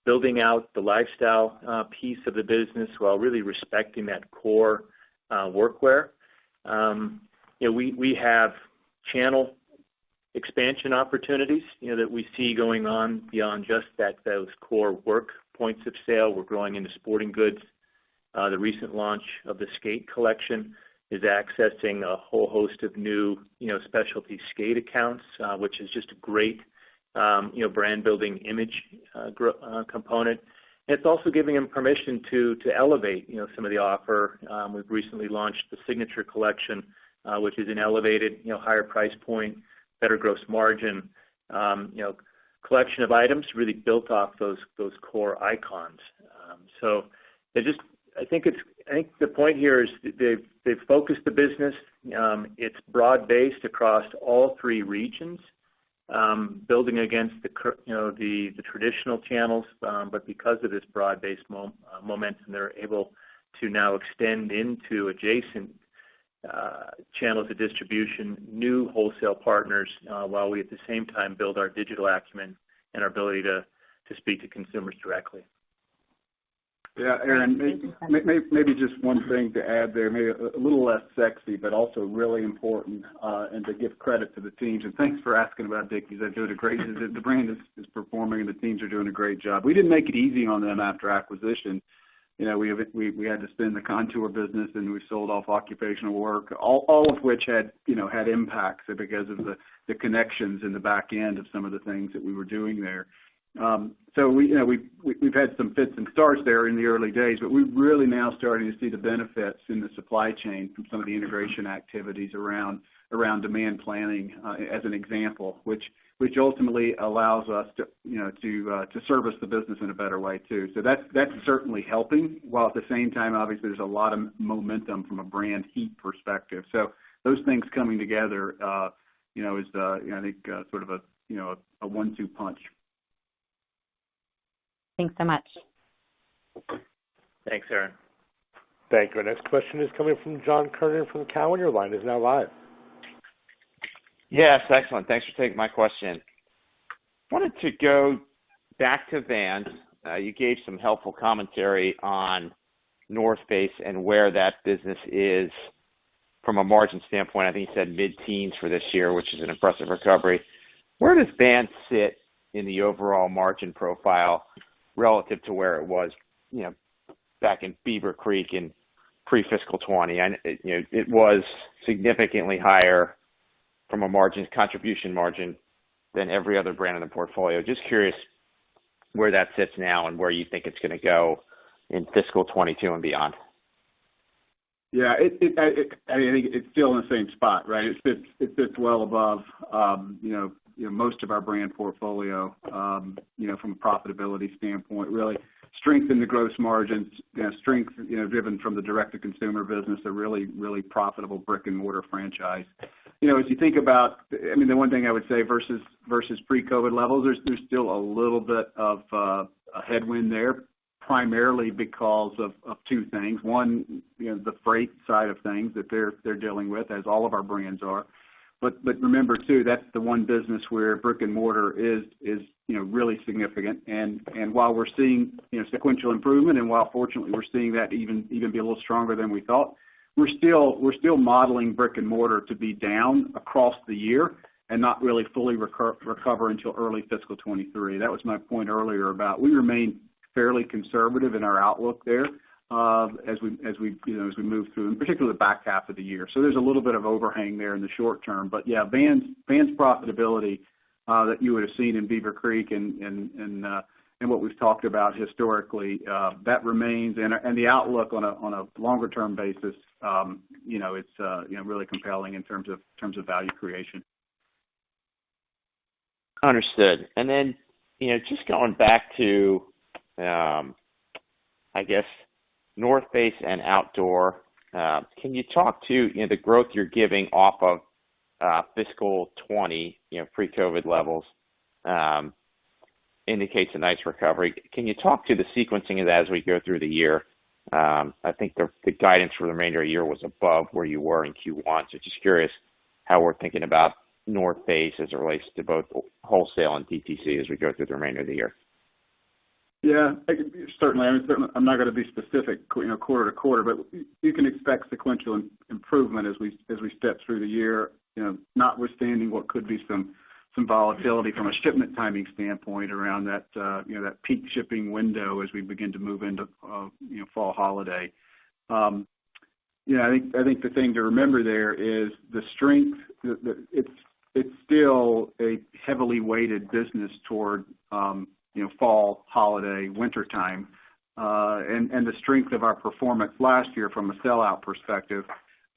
C: building out the lifestyle piece of the business while really respecting that core workwear. We have channel expansion opportunities that we see going on beyond just those core work points of sale. We're growing into sporting goods. The recent launch of the skate collection is accessing a whole host of new specialty skate accounts, which is just a great brand building image component. It's also giving them permission to elevate some of the offer. We've recently launched the signature collection, which is an elevated, higher price point, better gross margin collection of items really built off those core icons. I think the point here is they've focused the business. It's broad-based across all three regions, building against the traditional channels. Because of this broad-based momentum, they're able to now extend into adjacent channels of distribution, new wholesale partners, while we, at the same time, build our digital acumen and our ability to speak to consumers directly.
D: Yeah, Erinn, maybe just one thing to add there. Maybe a little less sexy, but also really important, and to give credit to the teams. Thanks for asking about Dickies. The brand is performing, and the teams are doing a great job. We didn't make it easy on them after acquisition. We had to spin the Kontoor business, and we sold off occupational work. All of which had impacts because of the connections in the back end of some of the things that we were doing there. We've had some fits and starts there in the early days, but we're really now starting to see the benefits in the supply chain from some of the integration activities around demand planning, as an example, which ultimately allows us to service the business in a better way, too. That's certainly helping, while at the same time, obviously, there's a lot of momentum from a brand heat perspective. Those things coming together is I think sort of a one-two punch.
I: Thanks so much.
C: Thanks, Erinn.
A: Thank you. Our next question is coming from John Kernan from Cowen. Your line is now live.
J: Yes, excellent. Thanks for taking my question. I wanted to go back to Vans. You gave some helpful commentary on The North Face and where that business is from a margin standpoint. I think you said mid-teens for this year, which is an impressive recovery. Where does Vans sit in the overall margin profile relative to where it was back in Beaver Creek in pre-fiscal 2020? It was significantly higher from a contribution margin than every other brand in the portfolio. I am just curious where that sits now and where you think it's going to go in fiscal 2022 and beyond.
D: Yeah. I think it's still in the same spot, right? It sits well above most of our brand portfolio from a profitability standpoint, really. Strength in the gross margins, strength driven from the direct-to-consumer business, a really profitable brick and mortar franchise. The one thing I would say versus pre-COVID levels, there's still a little bit of a headwind there. Primarily because of two things. One, the freight side of things that they're dealing with, as all of our brands are. Remember too, that's the one business where brick and mortar is really significant. While we're seeing sequential improvement, and while fortunately we're seeing that even be a little stronger than we thought, we're still modeling brick and mortar to be down across the year and not really fully recover until early fiscal 2023. That was my point earlier about we remain fairly conservative in our outlook there as we move through, and particularly the back half of the year. There's a little bit of overhang there in the short term. Yeah, Vans profitability that you would've seen in Beaver Creek and what we've talked about historically, that remains. The outlook on a longer term basis, it's really compelling in terms of value creation.
J: Understood. Just going back to, I guess North Face and Outdoor, the growth you're giving off of fiscal 2020, pre-COVID levels, indicates a nice recovery. Can you talk to the sequencing of that as we go through the year? I think the guidance for the remainder of the year was above where you were in Q1, just curious how we're thinking about The North Face as it relates to both wholesale and DTC as we go through the remainder of the year.
D: Certainly. I'm not going to be specific quarter to quarter, but you can expect sequential improvement as we step through the year, notwithstanding what could be some volatility from a shipment timing standpoint around that peak shipping window as we begin to move into fall holiday. I think the thing to remember there is the strength. It's still a heavily weighted business toward fall, holiday, wintertime. The strength of our performance last year from a sellout perspective,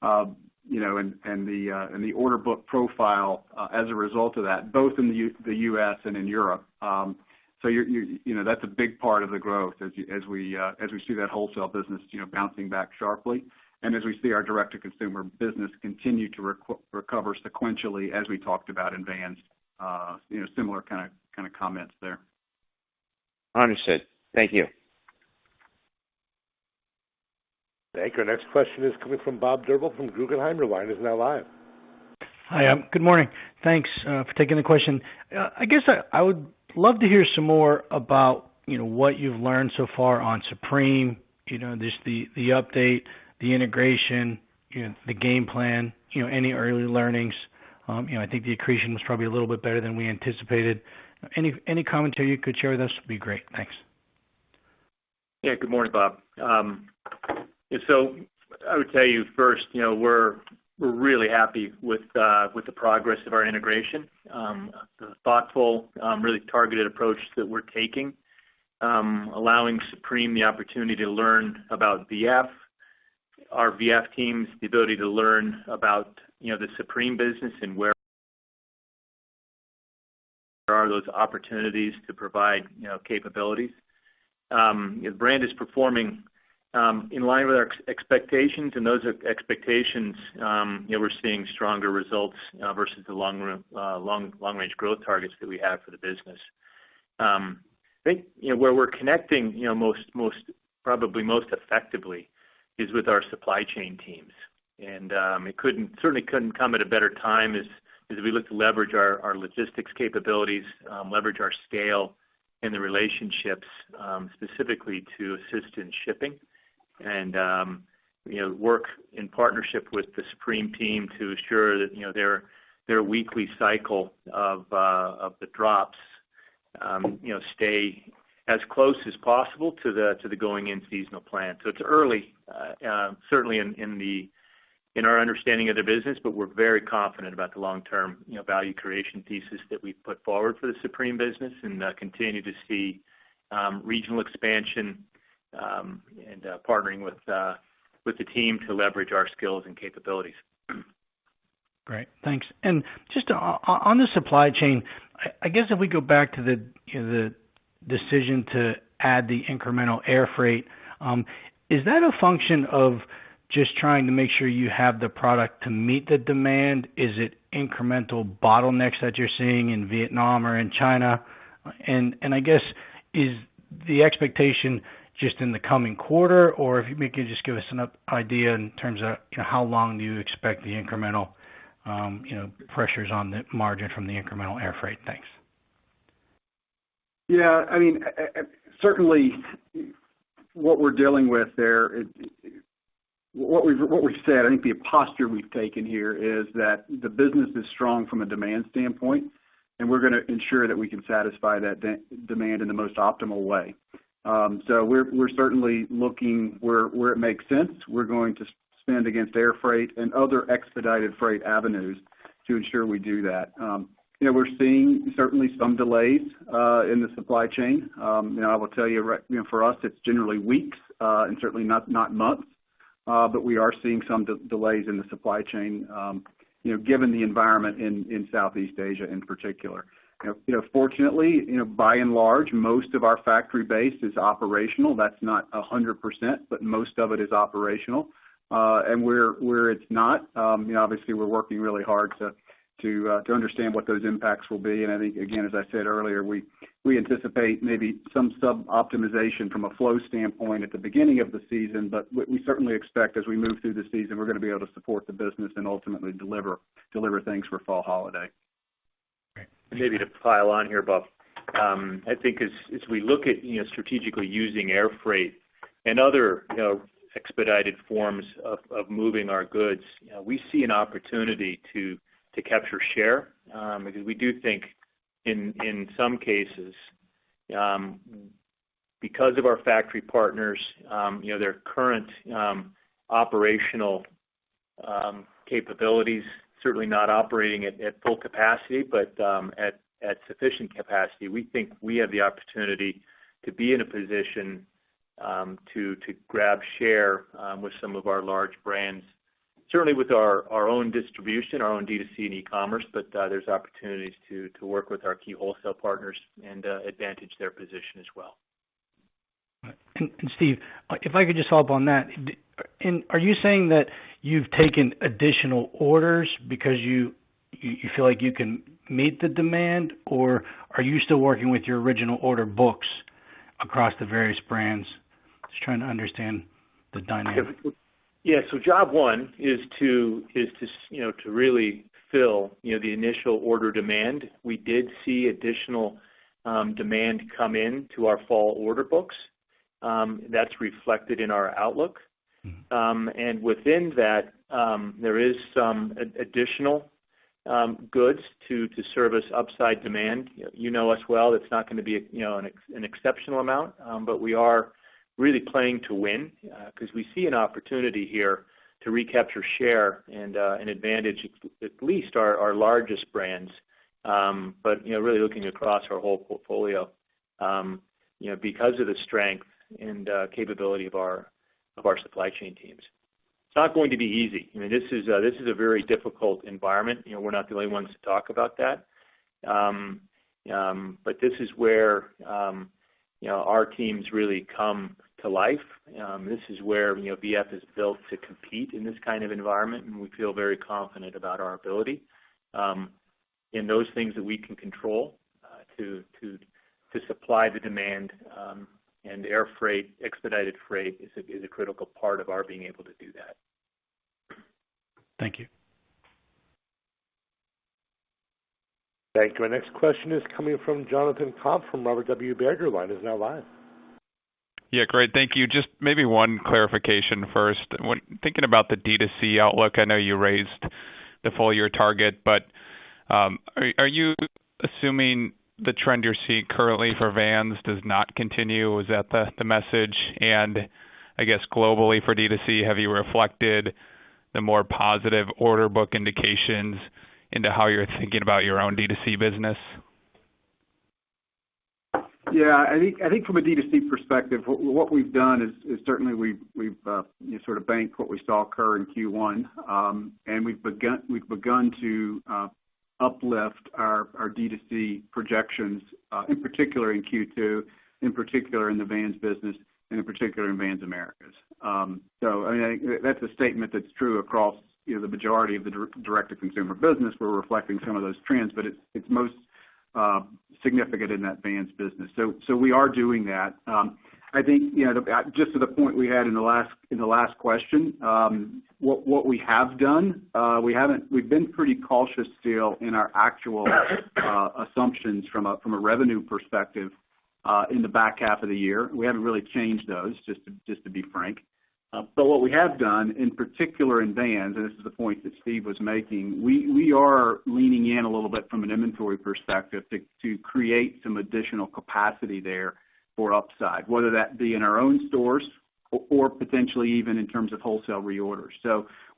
D: and the order book profile as a result of that, both in the U.S. and in Europe. That's a big part of the growth as we see that wholesale business bouncing back sharply and as we see our direct to consumer business continue to recover sequentially as we talked about in Vans. Similar kind of comments there.
J: Understood. Thank you.
A: Thank you. Our next question is coming from Bob Drbul from Guggenheim. Your line is now live.
K: Hi. Good morning. Thanks for taking the question. I guess I would love to hear some more about what you've learned so far on Supreme. Just the update, the integration, the game plan, any early learnings. I think the accretion was probably a little bit better than we anticipated. Any commentary you could share with us would be great. Thanks.
D: Yeah. Good morning, Bob. I would tell you first, we're really happy with the progress of our integration. The thoughtful, really targeted approach that we're taking allowing Supreme the opportunity to learn about V.F., our V.F. teams the ability to learn about the Supreme business and where are those opportunities to provide capabilities. The brand is performing in line with our expectations, and those expectations, we're seeing stronger results versus the long range growth targets that we have for the business. I think where we're connecting probably most effectively is with our supply chain teams. It certainly couldn't come at a better time as we look to leverage our logistics capabilities, leverage our scale and the relationships, specifically to assist in shipping and work in partnership with the Supreme team to assure that their weekly cycle of the drops stay as close as possible to the going in seasonal plan. It's early, certainly in our understanding of the business, but we're very confident about the long-term value creation thesis that we've put forward for the Supreme business and continue to see regional expansion and partnering with the team to leverage our skills and capabilities.
K: Great. Thanks. Just on the supply chain, I guess if we go back to the decision to add the incremental air freight, is that a function of just trying to make sure you have the product to meet the demand? Is it incremental bottlenecks that you're seeing in Vietnam or in China? I guess, is the expectation just in the coming quarter? Or if you could just give us an idea in terms of how long do you expect the incremental pressures on the margin from the incremental air freight. Thanks.
D: Certainly, what we're dealing with there, what we've said, I think the posture we've taken here is that the business is strong from a demand standpoint, and we're going to ensure that we can satisfy that demand in the most optimal way. We're certainly looking where it makes sense. We're going to spend against air freight and other expedited freight avenues to ensure we do that. We're seeing certainly some delays in the supply chain. I will tell you, for us, it's generally weeks, and certainly not months. We are seeing some delays in the supply chain given the environment in Southeast Asia in particular. Fortunately, by and large, most of our factory base is operational. That's not 100%, but most of it is operational. Where it's not, obviously we're working really hard to understand what those impacts will be. I think, again, as I said earlier, we anticipate maybe some sub-optimization from a flow standpoint at the beginning of the season. We certainly expect as we move through the season, we're going to be able to support the business and ultimately deliver things for fall holiday.
C: Maybe to pile on here, Bob. I think as we look at strategically using air freight and other expedited forms of moving our goods, we see an opportunity to capture share. We do think in some cases, because of our factory partners, their current operational capabilities, certainly not operating at full capacity, but at sufficient capacity. We think we have the opportunity to be in a position to grab share with some of our large brands, certainly with our own distribution, our own D2C and e-commerce, but there's opportunities to work with our key wholesale partners and advantage their position as well.
K: Steve, if I could just follow up on that. Are you saying that you've taken additional orders because you feel like you can meet the demand? Or are you still working with your original order books across the various brands? Just trying to understand the dynamic.
C: Yeah. Job one is to really fill the initial order demand. We did see additional demand come in to our fall order books. That's reflected in our outlook. Within that, there is some additional goods to service upside demand. You know us well, it's not going to be an exceptional amount. We are really playing to win, because we see an opportunity here to recapture share and advantage at least our largest brands. Really looking across our whole portfolio because of the strength and capability of our supply chain teams. It's not going to be easy. This is a very difficult environment. We're not the only ones to talk about that. This is where our teams really come to life. This is where V.F. is built to compete in this kind of environment, and we feel very confident about our ability in those things that we can control to supply the demand. Air freight, expedited freight is a critical part of our being able to do that.
K: Thank you.
A: Thank you. Our next question is coming from Jonathan Komp from Robert W. Baird. Your line is now live.
L: Yeah, great. Thank you. Just maybe one clarification first. Thinking about the D2C outlook, I know you raised the full-year target, are you assuming the trend you're seeing currently for Vans does not continue? Is that the message? I guess globally for D2C, have you reflected the more positive order book indications into how you're thinking about your own D2C business?
D: Yeah, I think from a D2C perspective, what we've done is certainly we've sort of banked what we saw occur in Q1. We've begun to uplift our D2C projections, in particular in Q2, in particular in the Vans business, and in particular in Vans Americas. That's a statement that's true across the majority of the direct-to-consumer business. We're reflecting some of those trends, but it's most significant in that Vans business. We are doing that. I think, just to the point we had in the last question, what we have done, we've been pretty cautious still in our actual assumptions from a revenue perspective in the back half of the year. We haven't really changed those, just to be frank. What we have done, in particular in Vans, and this is the point that Steve was making, we are leaning in a little bit from an inventory perspective to create some additional capacity there for upside, whether that be in our own stores or potentially even in terms of wholesale reorders.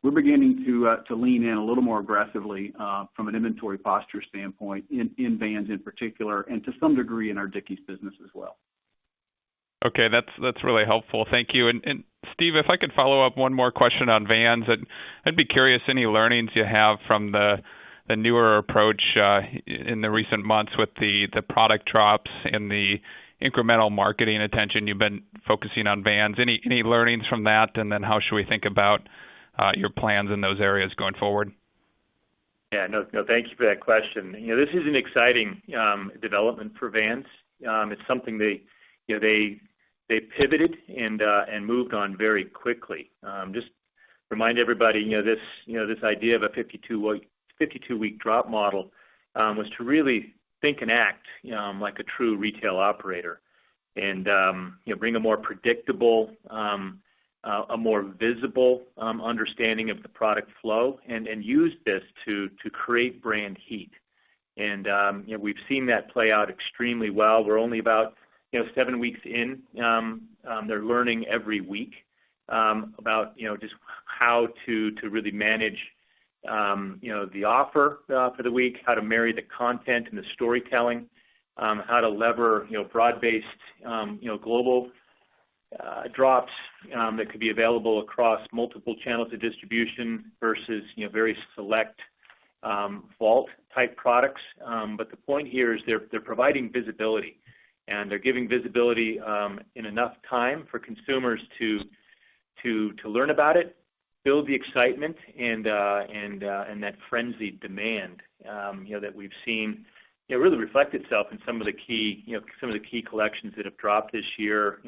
D: We're beginning to lean in a little more aggressively from an inventory posture standpoint in Vans in particular, and to some degree in our Dickies business as well.
L: Okay. That's really helpful. Thank you. Steve, if I could follow up one more question on Vans. I'd be curious, any learnings you have from the newer approach in the recent months with the product drops and the incremental marketing attention you've been focusing on Vans. Any learnings from that? How should we think about your plans in those areas going forward?
C: Yeah. No, thank you for that question. This is an exciting development for Vans. It's something they pivoted and moved on very quickly. Just remind everybody, this idea of a 52-week drop model was to really think and act like a true retail operator and bring a more predictable, a more visible understanding of the product flow and use this to create brand heat. We've seen that play out extremely well. We're only about seven weeks in. They're learning every week about just how to really manage the offer for the week, how to marry the content and the storytelling, how to lever broad-based global drops that could be available across multiple channels of distribution versus very select vault type products. The point here is they're providing visibility, and they're giving visibility in enough time for consumers to learn about it, build the excitement and that frenzied demand that we've seen really reflect itself in some of the key collections that have dropped this year.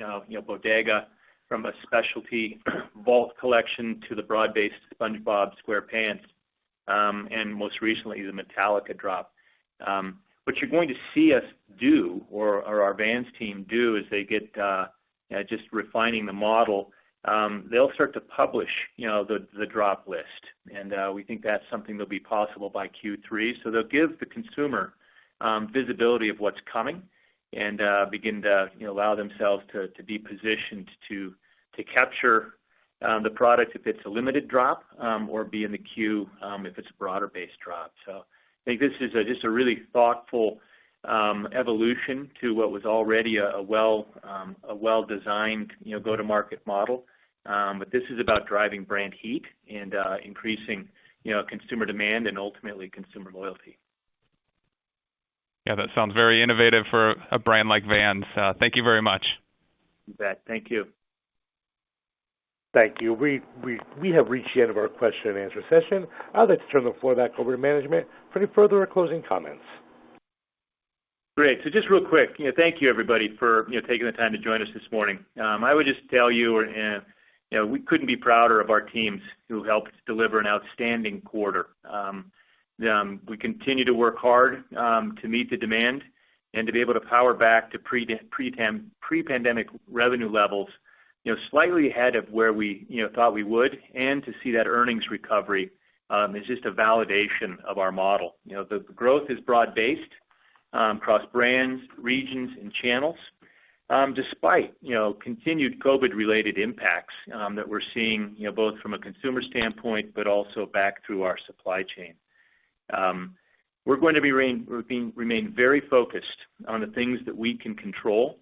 C: Bodega from a specialty vault collection to the broad-based SpongeBob SquarePants, and most recently, the Metallica drop. What you're going to see us do, or our Vans team do, is they're just refining the model. They'll start to publish the drop list, and we think that's something that'll be possible by Q3. They'll give the consumer visibility of what's coming and begin to allow themselves to be positioned to capture the product if it's a limited drop, or be in the queue if it's a broader-based drop. I think this is just a really thoughtful evolution to what was already a well-designed go-to-market model. This is about driving brand heat and increasing consumer demand and ultimately consumer loyalty.
L: Yeah, that sounds very innovative for a brand like Vans. Thank you very much.
C: You bet. Thank you.
A: Thank you. We have reached the end of our Q&A session. I'd like to turn the floor back over to management for any further closing comments.
C: Great. Just real quick, thank you, everybody, for taking the time to join us this morning. I would just tell you, we couldn't be prouder of our teams who helped deliver an outstanding quarter. We continue to work hard to meet the demand and to be able to power back to pre-pandemic revenue levels, slightly ahead of where we thought we would. To see that earnings recovery is just a validation of our model. The growth is broad-based across brands, regions, and channels, despite continued COVID-related impacts that we're seeing, both from a consumer standpoint, but also back through our supply chain. We're going to remain very focused on the things that we can control,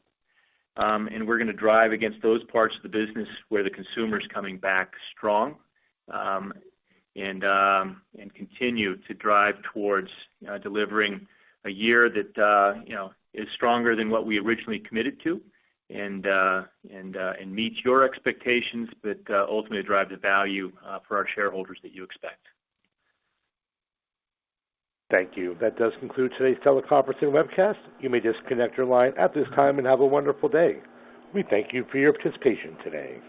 C: and we're going to drive against those parts of the business where the consumer is coming back strong. Continue to drive towards delivering a year that is stronger than what we originally committed to and meets your expectations, but ultimately drive the value for our shareholders that you expect.
A: Thank you. That does conclude today's teleconference and webcast. You may disconnect your line at this time and have a wonderful day. We thank you for your participation today.